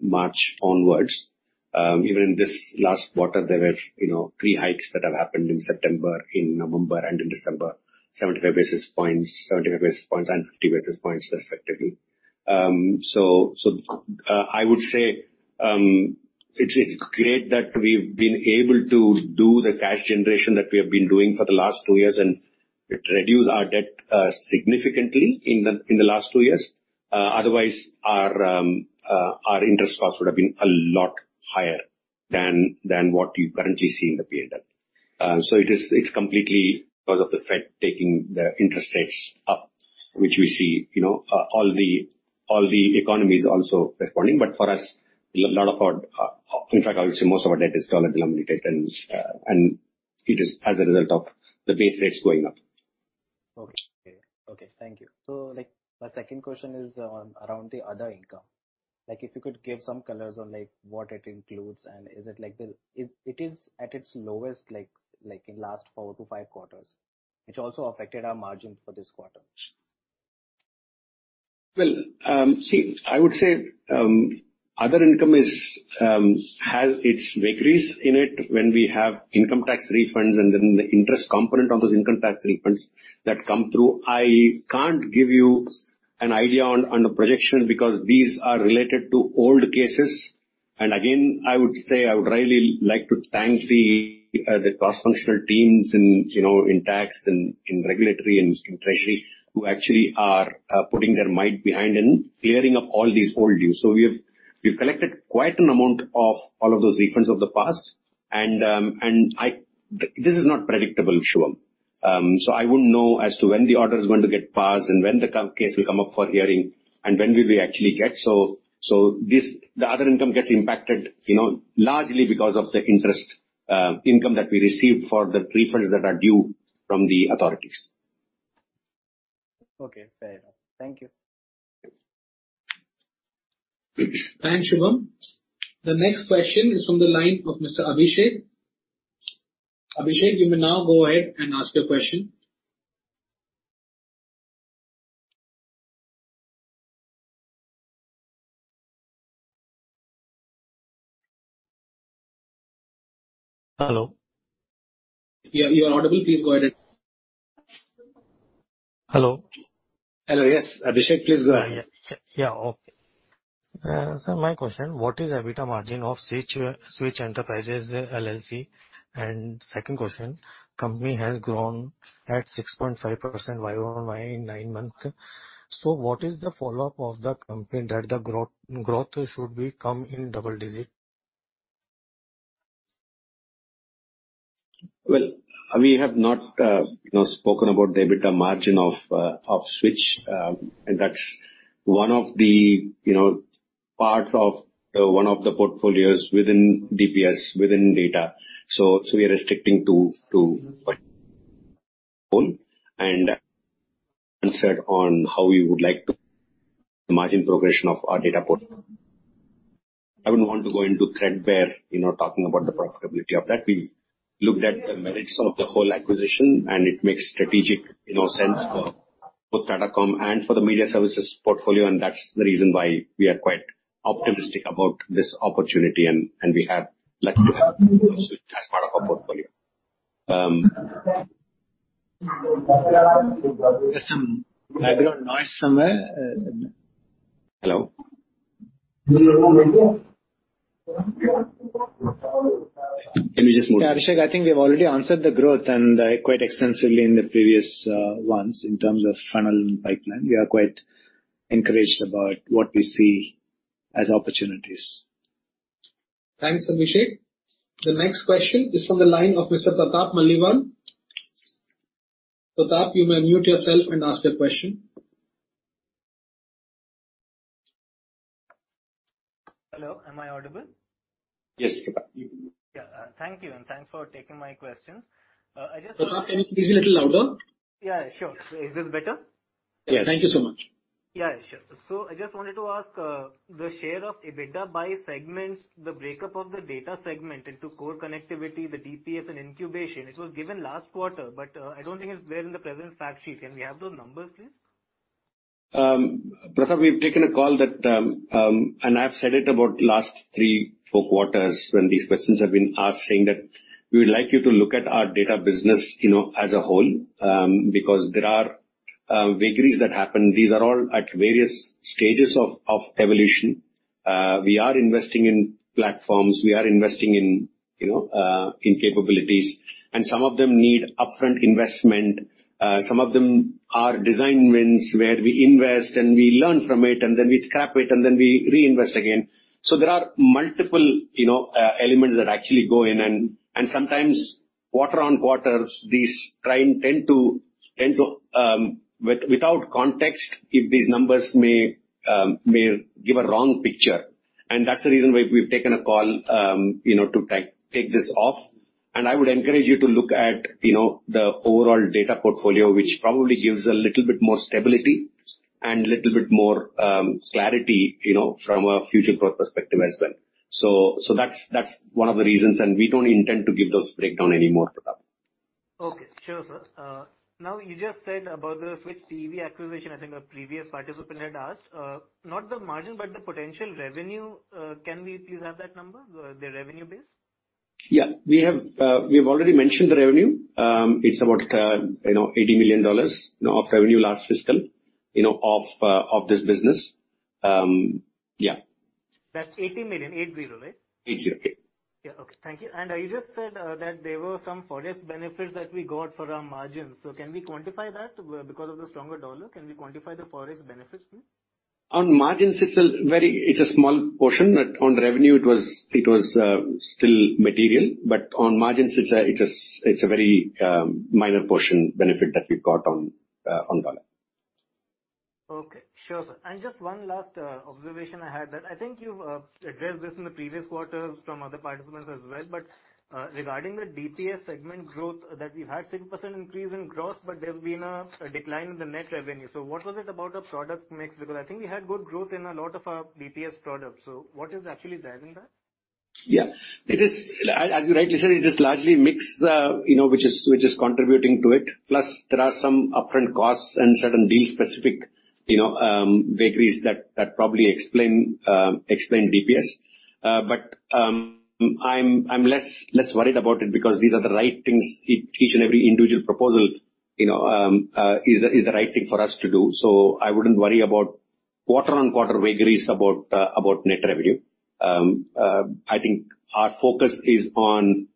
March onwards. Even this last quarter, there were, you know, three hikes that have happened in September, November, and December. 75 basis points, 75 basis points, and 50 basis points respectively. I would say, it's great that we've been able to do the cash generation that we have been doing for the last two years and reduce our debt, significantly in the last two years. Otherwise our interest costs would have been a lot higher than what you currently see in the P&L. It is, it's completely because of the Fed taking the interest rates up, which we see, you know, all the, all the economies also responding. For us, a lot of our, in fact, I would say most of our debt is dollar denominated and it is as a result of the base rates going up. Okay. Thank you. Like, my second question is on around the other income. Like, if you could give some colors on, like, what it includes and is it like It is at its lowest like in last four to five quarters, which also affected our margin for this quarter. Well, see, I would say, other income is has its vagaries in it when we have income tax refunds and then the interest component of those income tax refunds that come through. I can't give you an idea on the projection because these are related to old cases. Again, I would say I would really like to thank the cross-functional teams in, you know, in tax and in regulatory and in treasury who actually are putting their might behind in clearing up all these old dues. We've collected quite an amount of all of those refunds of the past and this is not predictable, Shubham. I wouldn't know as to when the order is going to get passed and when the case will come up for hearing and when will we actually get. This, the other income gets impacted, you know, largely because of the interest, income that we receive for the refunds that are due from the authorities. Okay. Fair enough. Thank you. Thanks, Shubham. The next question is from the line of Mr. Abhishek. Abhishek, you may now go ahead and ask your question. Hello. Yeah, you are audible. Please go ahead. Hello. Hello. Yes, Abhishek, please go ahead. Yeah. Yeah. Okay. My question, what is EBITDA margin of Switch Enterprises LLC? Second question, company has grown at 6.5% Y on Y in nine months. What is the follow-up of the company that growth should be come in double-digit? Well, we have not, you know, spoken about the EBITDA margin of Switch. That's one of the, you know, part of one of the portfolios within DPS, within data. We are restricting to and answered on how we would like to the margin progression of our data port. I wouldn't want to go into CRED where, you know, talking about the profitability of that. We looked at the merits of the whole acquisition, it makes strategic, you know, sense for Tatacom and for the media services portfolio, that's the reason why we are quite optimistic about this opportunity and we have lucky to have Switch as part of our portfolio. There's some background noise somewhere. Hello? Yeah, Abhishek, I think we've already answered the growth and quite extensively in the previous ones in terms of funnel and pipeline. We are quite encouraged about what we see as opportunities. Thanks, Abhishek. The next question is from the line of Mr. Pratap Maliwal. Pratap, you may unmute yourself and ask your question. Hello, am I audible? Yes, Pratap. Yeah. Thank you and thanks for taking my question. Pratap, can you please be a little louder? Yeah, sure. Is this better? Yeah. Thank you so much. Yeah, sure. I just wanted to ask, the share of EBITDA by segments, the breakup of the data segment into core connectivity, the DPS and incubation. It was given last quarter, I don't think it's there in the present fact sheet. Can we have those numbers, please? Pratap, we've taken a call that I've said it about last three, four quarters when these questions have been asked, saying that we would like you to look at our data business, you know, as a whole, because there are vagaries that happen. These are all at various stages of evolution. We are investing in platforms, we are investing in capabilities. Some of them need upfront investment, some of them are design wins where we invest and we learn from it, and then we scrap it, and then we reinvest again. There are multiple, you know, elements that actually go in and sometimes quarter-on-quarter, these tend to. Without context, if these numbers may give a wrong picture. That's the reason why we've taken a call, you know, to take this off. I would encourage you to look at, you know, the overall data portfolio, which probably gives a little bit more stability and little bit more clarity, you know, from a future growth perspective as well. That's one of the reasons, and we don't intend to give those breakdown anymore, Pratap. Okay. Sure, sir. Now you just said about the Switch TV acquisition, I think a previous participant had asked, not the margin, but the potential revenue. Can we please have that number, the revenue base? Yeah. We have already mentioned the revenue. It's about, you know, $80 million of revenue last fiscal, you know, of this business. Yeah. That's 80 million. 80, right? 80. Yeah. Okay. Thank you. You just said that there were some FX benefits that we got for our margins. Can we quantify that because of the stronger dollar? Can we quantify the FX benefits please? On margins, it's a very small portion, but on revenue it was still material. On margins it's a very minor portion benefit that we've got on dollar. Okay. Sure, sir. Just one last observation I had that I think you've addressed this in the previous quarters from other participants as well, but regarding the DPS segment growth, that we've had 6% increase in growth, but there's been a decline in the net revenue. What was it about the product mix? I think we had good growth in a lot of our DPS products. What is actually driving that? Yeah. It is, as you rightly said, it is largely mix, you know, which is contributing to it. There are some upfront costs and certain deal specific, you know, vagaries that probably explain DPS. I'm less worried about it because these are the right things. Each and every individual proposal, you know, is the right thing for us to do. I wouldn't worry about quarter-on-quarter vagaries about net revenue. I think our focus is on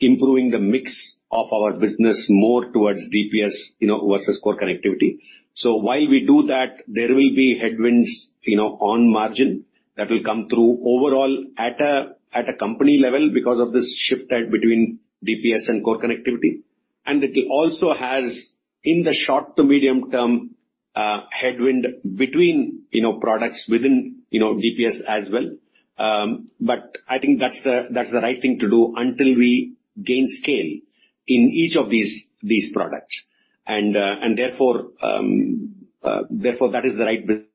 improving the mix of our business more towards DPS, you know, versus core connectivity. While we do that, there will be headwinds, you know, on margin that will come through overall at a company level because of this shift between DPS and core connectivity. It also has, in the short to medium term, headwind between, you know, products within, you know, DPS as well. I think that's the, that's the right thing to do until we gain scale in each of these products. Therefore, that is the right business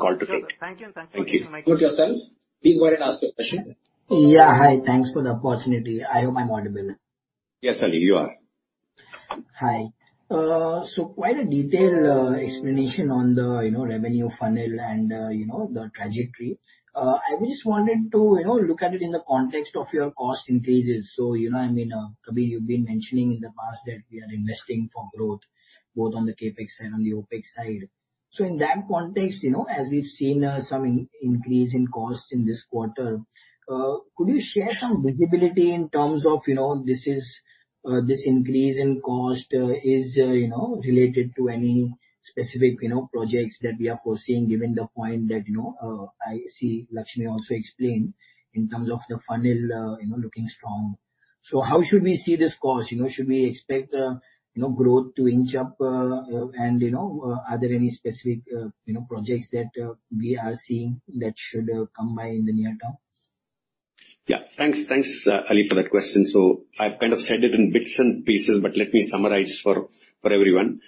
call to take. Sure. Thank you. Thanks again for Thank you. yourself. Please go ahead and ask your question. Yeah. Hi. Thanks for the opportunity. I hope I'm audible. Yes, Ali, you are. Hi. Quite a detailed explanation on the, you know, revenue funnel and, you know, the trajectory. I just wanted to, you know, look at it in the context of your cost increases. You know, I mean, Kabir, you've been mentioning in the past that we are investing for growth, both on the CapEx side and on the OpEx side. In that context, you know, as we've seen, some increase in cost in this quarter, could you share some visibility in terms of, you know, this increase in cost is, you know, related to any specific, you know, projects that we are pursuing given the point that, you know, I see Lakshmi also explained in terms of the funnel, you know, looking strong. How should we see this cost? You know, should we expect, you know, growth to inch up, and, you know, are there any specific, you know, projects that we are seeing that should come by in the near term? Yeah. Thanks. Thanks, Ali, for that question. I've kind of said it in bits and pieces, but let me summarize for everyone.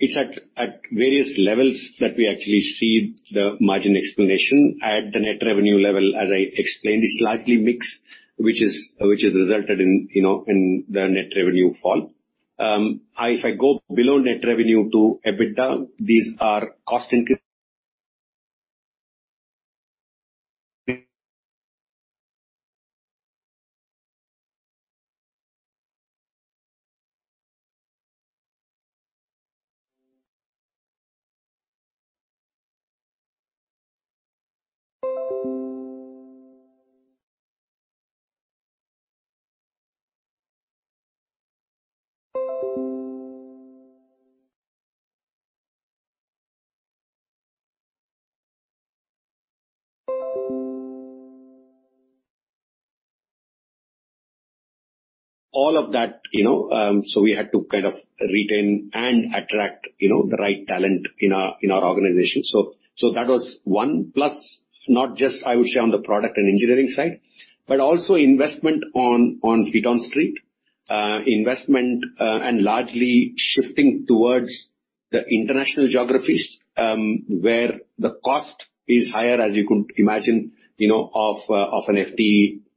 It's at various levels that we actually see the margin explanation. At the net revenue level, as I explained, it's largely mix, which is, which has resulted in, you know, in the net revenue fall. If I go below net revenue to EBITDA, these are All of that, you know, we had to kind of retain and attract, you know, the right talent in our, in our organization. That was one. Not just I would say on the product and engineering side, but also investment on Feet on Street, investment, and largely shifting towards the international geographies, where the cost is higher, as you could imagine, you know, of an FTE,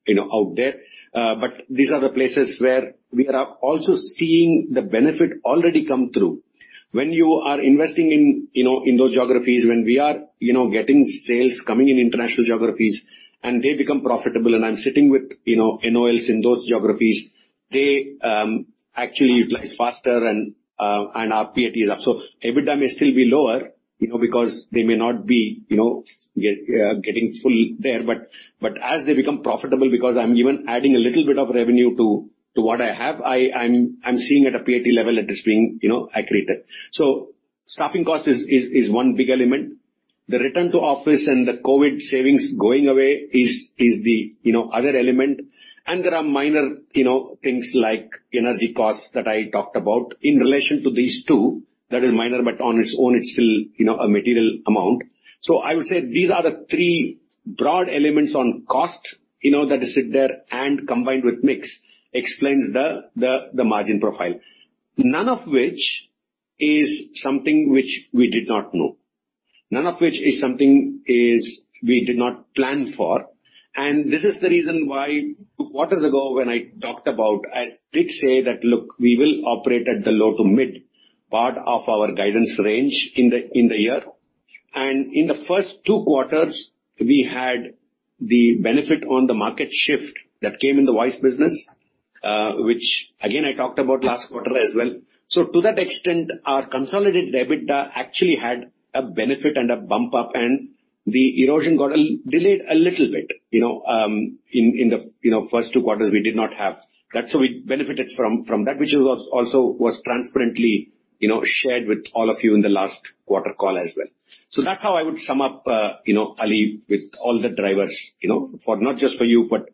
you know, out there. But these are the places where we are also seeing the benefit already come through. When you are investing in, you know, in those geographies, when we are, you know, getting sales coming in international geographies and they become profitable and I'm sitting with, you know, NOLs in those geographies, they actually utilize faster and our PAT is up. EBITDA may still be lower, you know, because they may not be, you know, getting full there. As they become profitable, because I'm even adding a little bit of revenue to what I have, I'm seeing at a PAT level it is being, you know, accreted. Staffing cost is one big element. The return to office and the COVID savings going away is the, you know, other element. There are minor, you know, things like energy costs that I talked about in relation to these two. That is minor, but on its own, it's still, you know, a material amount. I would say these are the three broad elements on cost, you know, that sit there and combined with mix explains the margin profile. None of which is something which we did not know. None of which is something is we did not plan for. This is the reason why quarters ago when I talked about, I did say that, "Look, we will operate at the low to mid part of our guidance range in the year." In the first two quarters, we had the benefit on the market shift that came in the voice business, which again, I talked about last quarter as well. To that extent, our consolidated EBITDA actually had a benefit and a bump up, and the erosion got delayed a little bit. You know, in the, you know, first two quarters we did not have. That's so we benefited from that which was also transparently, you know, shared with all of you in the last quarter call as well. That's how I would sum up, you know, Ali, with all the drivers, you know, for not just for you, but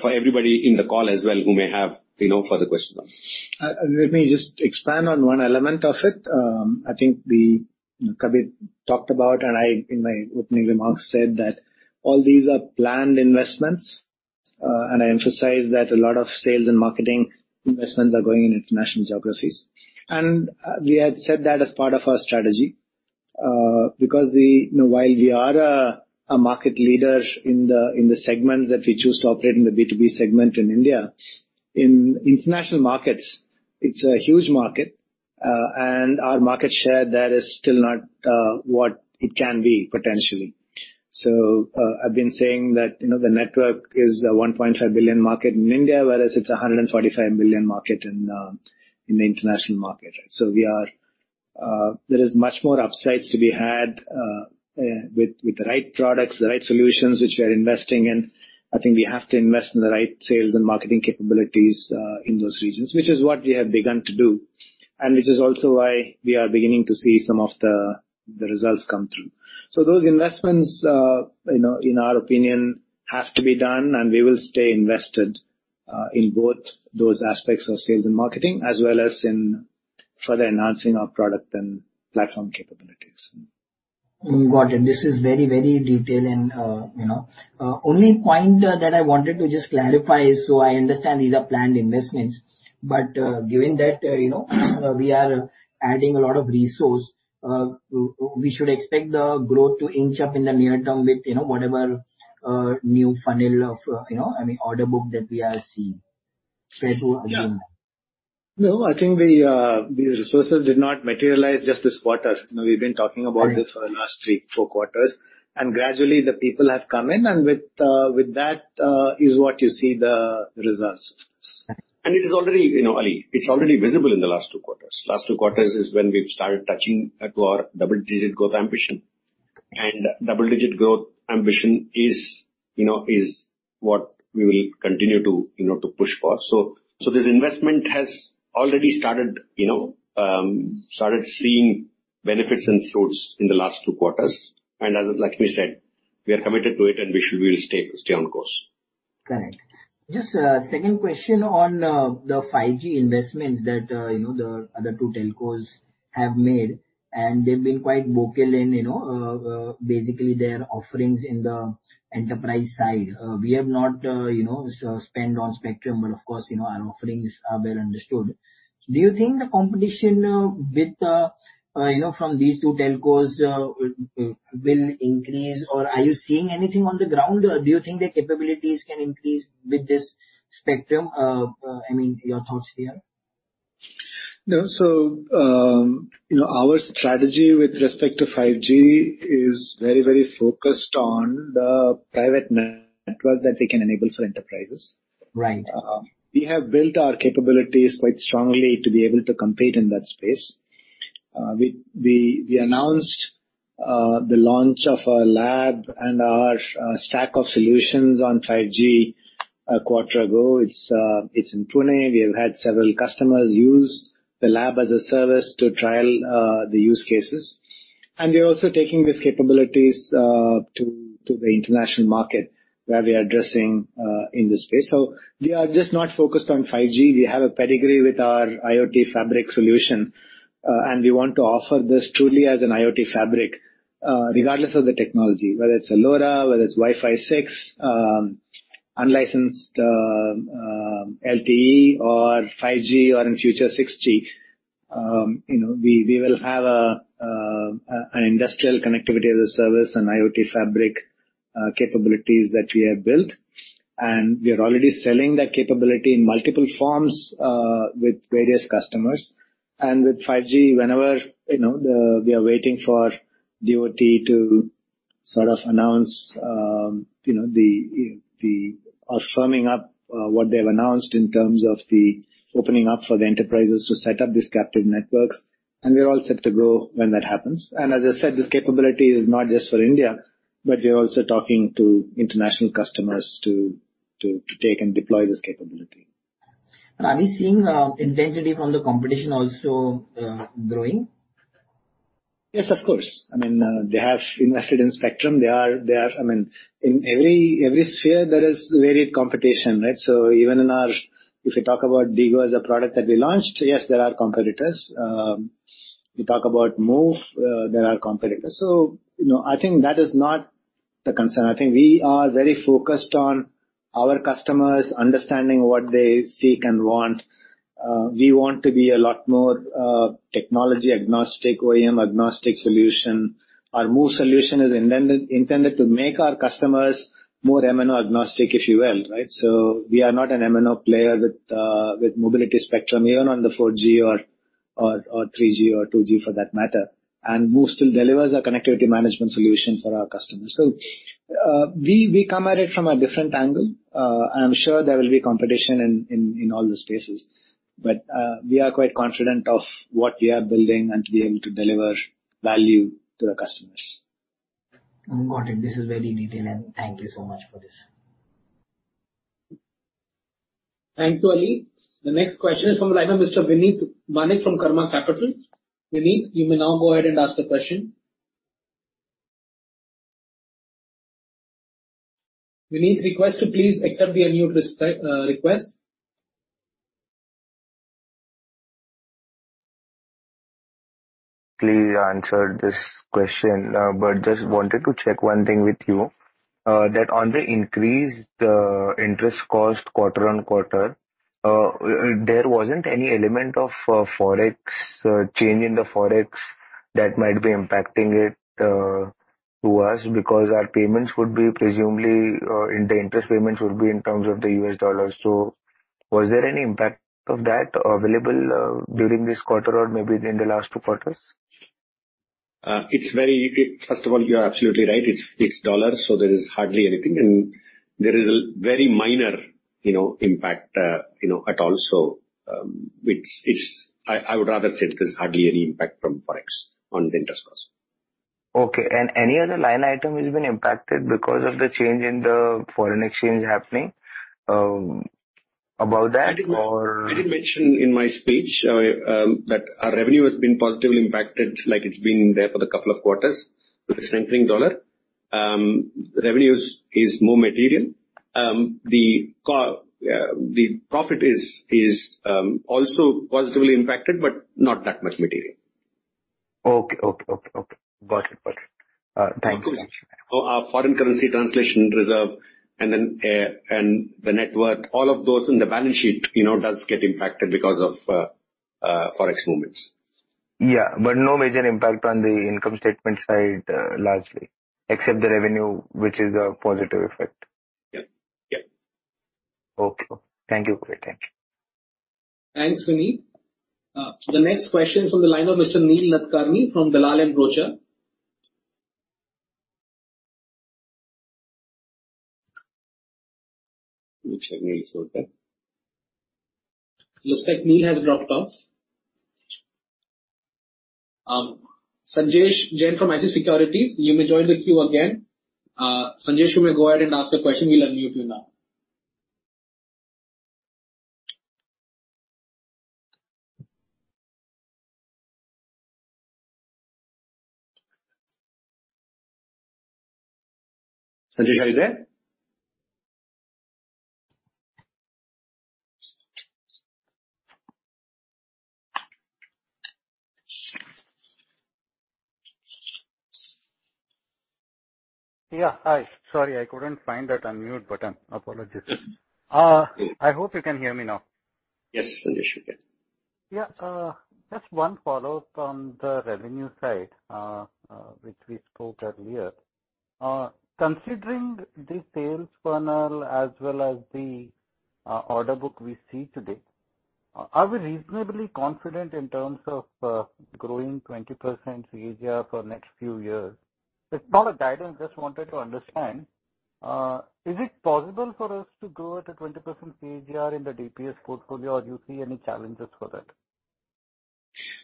for everybody in the call as well who may have, you know, further questions. Let me just expand on one element of it. I think Kabir talked about and I in my opening remarks said that all these are planned investments. I emphasize that a lot of sales and marketing investments are going in international geographies. We had said that as part of our strategy, because you know while we are a market leader in the segments that we choose to operate in the B2B segment in India, in international markets, it's a huge market, and our market share there is still not what it can be potentially. I've been saying that, you know, the network is a 1.5 billion market in India, whereas it's a 145 billion market in the international market. We are. There is much more upsides to be had, with the right products, the right solutions which we are investing in. I think we have to invest in the right sales and marketing capabilities in those regions, which is what we have begun to do. Which is also why we are beginning to see some of the results come through. Those investments, you know, in our opinion, have to be done, and we will stay invested in both those aspects of sales and marketing, as well as in further enhancing our product and platform capabilities. Got it. This is very, very detailed and, you know. Only point that I wanted to just clarify, so I understand these are planned investments, but given that, you know, we are adding a lot of resource, we should expect the growth to inch up in the near term with, you know, whatever new funnel of, you know, I mean, order book that we are seeing. Yeah. No, I think the, these resources did not materialize just this quarter. You know, we've been talking about this for the last three, four quarters, and gradually the people have come in, and with that, is what you see the results. Okay. It is already, you know, Ali, it's already visible in the last two quarters. Last two quarters is when we've started touching to our double-digit growth ambition. Double-digit growth ambition is, you know, is what we will continue to, you know, to push for. So this investment has already started, you know, started seeing benefits and fruits in the last two quarters. As Lakshmi said, we are committed to it and we should really stay on course. Correct. Just a second question on the 5G investments that, you know, the other two telcos have made. They've been quite vocal in, you know, basically their offerings in the enterprise side. We have not, you know, sort of spent on spectrum, but of course, you know, our offerings are well understood. Do you think the competition with, you know, from these two telcos will increase or are you seeing anything on the ground? Do you think their capabilities can increase with this spectrum? I mean, your thoughts here. No. you know, our strategy with respect to 5G is very focused on the private network that we can enable for enterprises. Right. We have built our capabilities quite strongly to be able to compete in that space. We announced the launch of our lab and our stack of solutions on 5G a quarter ago. It's in Pune. We have had several customers use the lab as a service to trial the use cases. We are also taking these capabilities to the international market where we are addressing in this space. We are just not focused on 5G. We have a pedigree with our IoT fabric solution, and we want to offer this truly as an IoT fabric regardless of the technology. Whether it's LoRa, whether it's Wi-Fi 6, unlicensed LTE or 5G or in future 6G. You know, we will have a industrial connectivity as a service and IoT fabric capabilities that we have built. We are already selling that capability in multiple forms with various customers. With 5G, whenever, you know, we are waiting for DoT to sort of announce, you know, or firming up what they have announced in terms of the opening up for the enterprises to set up these captive networks. We are all set to go when that happens. As I said, this capability is not just for India, but we are also talking to international customers to take and deploy this capability. Are we seeing intensity from the competition also growing? Yes, of course. I mean, they have invested in spectrum. They are, I mean, in every sphere there is varied competition, right? Even in our, if you talk about DIGO as a product that we launched, yes, there are competitors. You talk about MOVE, there are competitors. You know, I think that is not the concern. I think we are very focused on our customers understanding what they seek and want. We want to be a lot more technology agnostic, OEM agnostic solution. Our MOVE solution is intended to make our customers more MNO agnostic, if you will, right? We are not an MNO player with mobility spectrum, even on the 4G or 3G or 2G for that matter. MOVE still delivers a connectivity management solution for our customers. We come at it from a different angle. I'm sure there will be competition in all the spaces, but we are quite confident of what we are building and to be able to deliver value to the customers. Got it. This is very detailed. Thank you so much for this. Thank you, Ali. The next question is from Mr. Vinit Manek from Karma Capital. Vinit, you may now go ahead and ask the question. Vinit, request to please accept the unmute request. Please answer this question. Just wanted to check one thing with you. That on the increased interest cost quarter-on-quarter, there wasn't any element of Forex, change in the Forex that might be impacting it to us because our payments would be presumably, and the interest payments would be in terms of the U.S. dollars. Was there any impact of that available during this quarter or maybe in the last two quarters? it's very... First of all, you are absolutely right. It's dollars, so there is hardly anything. There is a very minor, you know, impact, you know, at all. I would rather say there's hardly any impact from Forex on the interest cost. Okay. Any other line item has been impacted because of the change in the foreign exchange happening about that? I did mention in my speech that our revenue has been positively impacted like it's been there for the couple of quarters with the strengthening dollar. Revenues is more material. The profit is also positively impacted, but not that much material. Okay. Okay. Okay. Okay. Got it. Got it. Thank you. Of course. Our foreign currency translation reserve and then, and the network, all of those in the balance sheet, you know, does get impacted because of, Forex movements. Yeah, no major impact on the income statement side, largely, except the revenue, which is a positive effect. Yep. Yep. Okay. Thank you. Great. Thank you. Thanks, Vinit. The next question is from the line of Mr. Neel Nadkarni from Dalal & Broacha. One second. Let me sort that. Looks like Neel has dropped off. Sanjesh Jain from ICI Securities, you may join the queue again. Sanjesh, you may go ahead and ask the question. We'll unmute you now. Sanjesh, are you there? Yeah. Hi. Sorry, I couldn't find that unmute button. Apologies. I hope you can hear me now. Yes, Sanjesh. We can. Yeah. Just one follow-up from the revenue side, which we spoke earlier. Considering the sales funnel as well as the order book we see today, are we reasonably confident in terms of growing 20% CAGR for next few years? It's not a guidance. Just wanted to understand, is it possible for us to grow at a 20% CAGR in the DPS portfolio or do you see any challenges for that?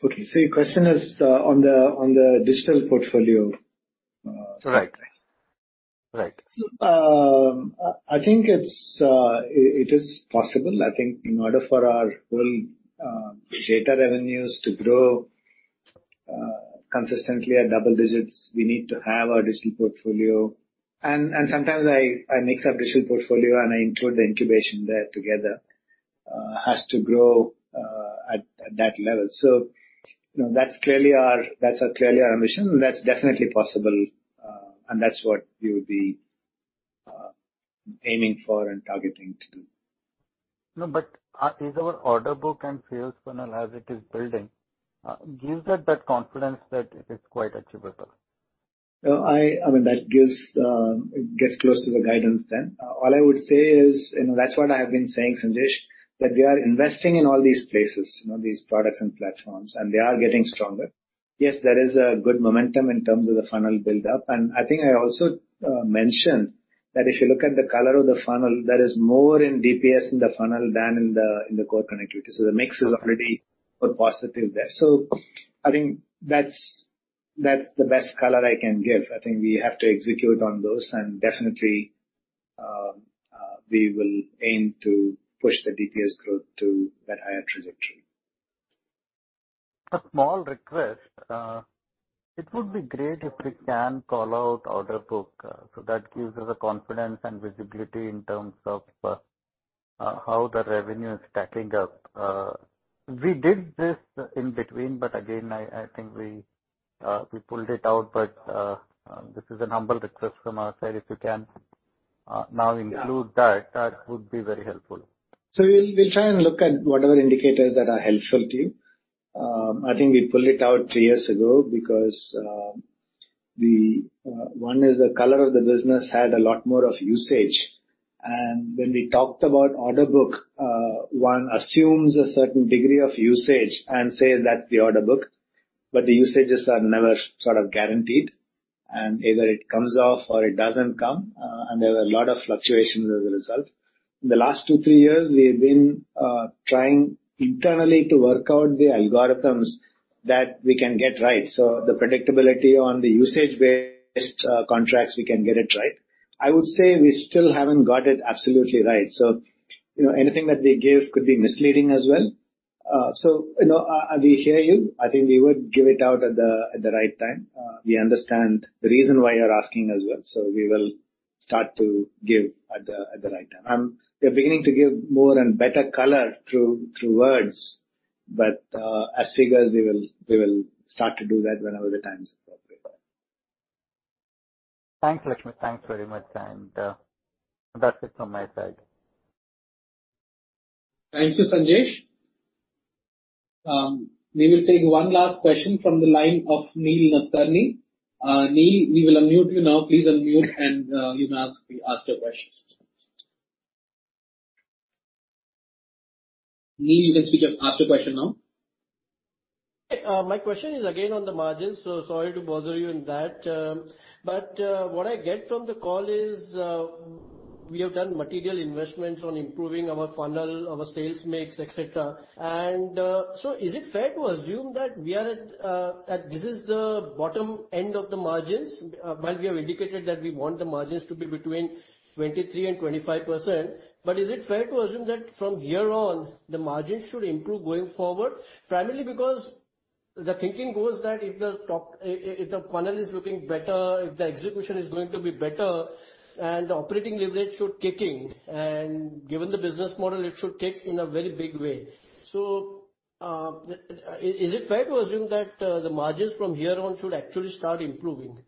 Okay. Your question is on the digital portfolio. Right. Right. Right. I think it is possible. I think in order for our whole data revenues to grow consistently at double digits, we need to have our digital portfolio. Sometimes I mix up digital portfolio, and I include the incubation there together, has to grow at that level. You know, that's clearly our mission. That's definitely possible, and that's what we would be aiming for and targeting to do. No, is our order book and sales funnel as it is building, gives us that confidence that it is quite achievable? I mean, that gives, it gets close to the guidance then. All I would say is, that's what I have been saying, Sanjesh, that we are investing in all these places, you know, these products and platforms, and they are getting stronger. Yes, there is a good momentum in terms of the funnel buildup. I think I also mentioned that if you look at the color of the funnel, there is more in DPS in the funnel than in the, in the core connectivity. The mix is already more positive there. I think that's the best color I can give. I think we have to execute on those and definitely, we will aim to push the DPS growth to that higher trajectory. A small request. It would be great if we can call out order book, so that gives us a confidence and visibility in terms of how the revenue is stacking up. We did this in between, again, I think we pulled it out. This is a humble request from our side. If you can, now include that. Yeah. That would be very helpful. We'll try and look at whatever indicators that are helpful to you. I think we pulled it out three years ago because one is the color of the business had a lot more of usage. When we talked about order book, one assumes a certain degree of usage and say that's the order book, but the usages are never sort of guaranteed, and either it comes off or it doesn't come, and there were a lot of fluctuations as a result. In the last two, three years, we've been trying internally to work out the algorithms that we can get right. The predictability on the usage-based contracts, we can get it right. I would say we still haven't got it absolutely right. You know, anything that we give could be misleading as well. You know, we hear you. I think we would give it out at the right time. We understand the reason why you're asking as well. We will start to give at the right time. We are beginning to give more and better color through words, but as figures, we will start to do that whenever the time is appropriate. Thanks, Lakshmi. Thanks very much. That's it from my side. Thank you, Sanjesh. We will take one last question from the line of Neel Nadkarni. Neel, we will unmute you now. Please unmute and, you may ask your questions. Neel, you can speak up. Ask your question now. My question is again on the margins, sorry to bother you in that. What I get from the call is, we have done material investments on improving our funnel, our sales mix, et cetera. Is it fair to assume that we are at this is the bottom end of the margins, but we have indicated that we want the margins to be between 23% and 25%. Is it fair to assume that from here on, the margins should improve going forward? Primarily because the thinking goes that if the top if the funnel is looking better, if the execution is going to be better and the operating leverage should kick in, and given the business model, it should kick in a very big way. Is it fair to assume that the margins from here on should actually start improving?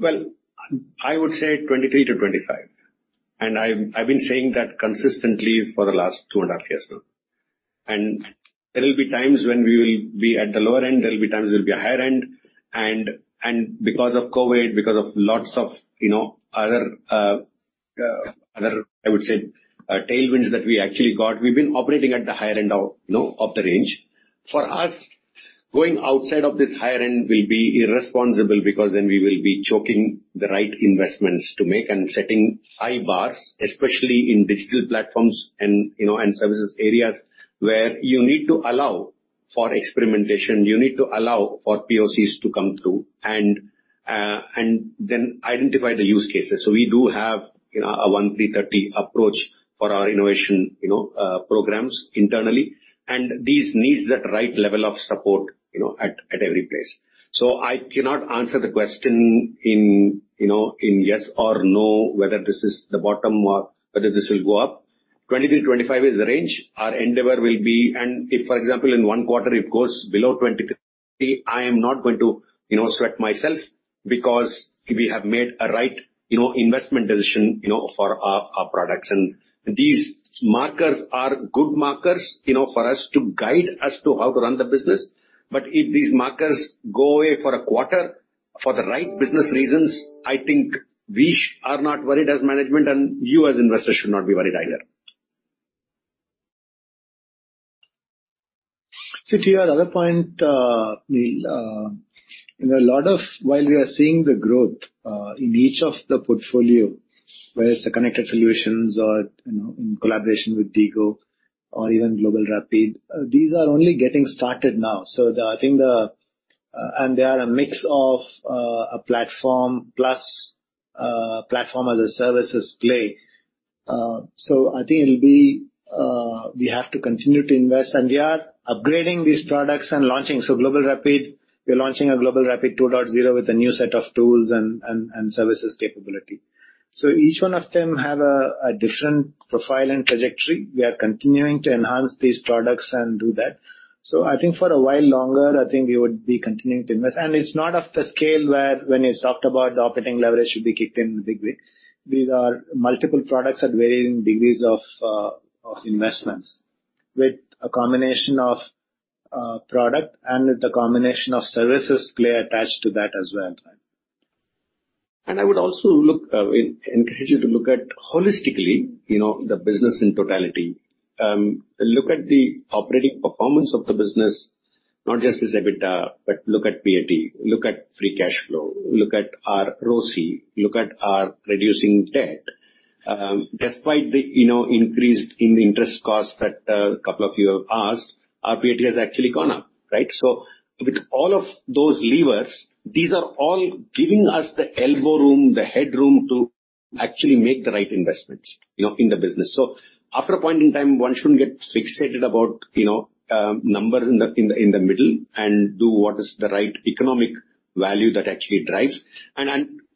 Well, I would say 23-25. I've been saying that consistently for the last 2.5 Years now. There will be times when we will be at the lower end, there will be times we'll be at higher end. Because of COVID, because of lots of, you know, other, I would say, tailwinds that we actually got, we've been operating at the higher end of, you know, of the range. For us, going outside of this higher end will be irresponsible because then we will be choking the right investments to make and setting high bars, especially in digital platforms and, you know, and services areas where you need to allow for experimentation, you need to allow for POCs to come through and then identify the use cases. We do have, you know, a one three 30 approach for our innovation, you know, programs internally. This needs that right level of support, you know, at every place. I cannot answer the question in yes or no, whether this is the bottom or whether this will go up. 20%-25% is the range. Our endeavor will be. If, for example, in one quarter, it goes below 23%, I am not going to, you know, sweat myself because we have made a right, you know, investment decision, you know, for our products. These markers are good markers, you know, for us to guide us to how to run the business. If these markers go away for a quarter for the right business reasons, I think we are not worried as management, and you as investors should not be worried either. Sir, to your other point, we, you know, a lot of while we are seeing the growth, in each of the portfolio, whether it's the connected solutions or, you know, in collaboration with DIGO or even Global Rapid, these are only getting started now. I think they are a mix of a platform plus platform as a services play. I think it'll be. We have to continue to invest, and we are upgrading these products and launching. Global Rapid, we are launching a Global Rapid 2.0 with a new set of tools and services capability. Each one of them have a different profile and trajectory. We are continuing to enhance these products and do that. I think for a while longer, I think we would be continuing to invest. It's not of the scale where when you talked about the operating leverage should be kicked in big way. These are multiple products at varying degrees of investments with a combination of product and with the combination of services play attached to that as well. I would also encourage you to look at holistically, you know, the business in totality. Look at the operating performance of the business, not just as EBITDA, but look at PAT, look at free cash flow, look at our ROC, look at our reducing debt. Despite the, you know, increase in interest costs that a couple of you have asked, our PAT has actually gone up, right? With all of those levers, these are all giving us the elbow room, the headroom to actually make the right investments, you know, in the business. After a point in time, one shouldn't get fixated about, you know, numbers in the middle and do what is the right economic value that actually drives.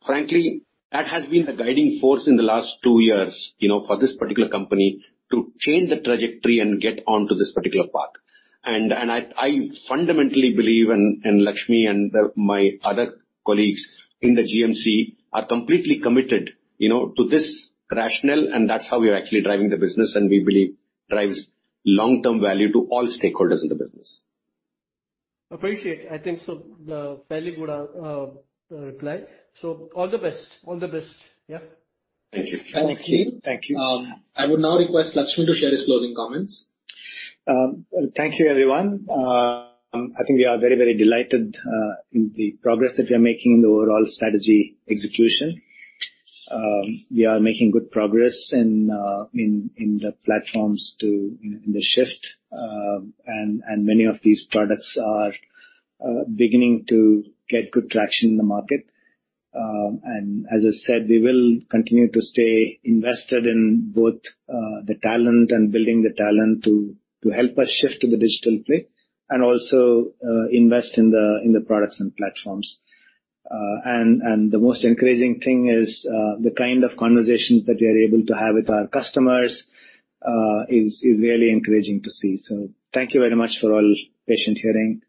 Frankly, that has been the guiding force in the last two years, you know, for this particular company to change the trajectory and get onto this particular path. I fundamentally believe, Lakshmi and the, my other colleagues in the GMC are completely committed, you know, to this rationale, and that's how we are actually driving the business, and we believe drives long-term value to all stakeholders in the business. Appreciate. I think so, fairly good, reply. All the best. All the best. Yeah. Thank you. Thanks, Neel. Thank you. I would now request Lakshmi to share his closing comments. Thank you, everyone. I think we are very, very delighted in the progress that we are making in the overall strategy execution. We are making good progress in the platforms to, you know, in the shift. Many of these products are beginning to get good traction in the market. As I said, we will continue to stay invested in both the talent and building the talent to help us shift to the digital play and also invest in the products and platforms. The most encouraging thing is the kind of conversations that we are able to have with our customers is really encouraging to see. Thank you very much for all patient hearing.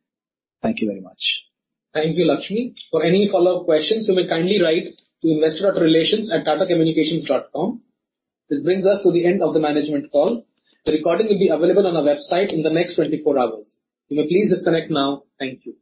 Thank you very much. Thank you, Lakshmi. For any follow-up questions, you may kindly write to investorrelations@tatacommunications.com. This brings us to the end of the management call. The recording will be available on our website in the next 24 hours. You may please disconnect now. Thank you.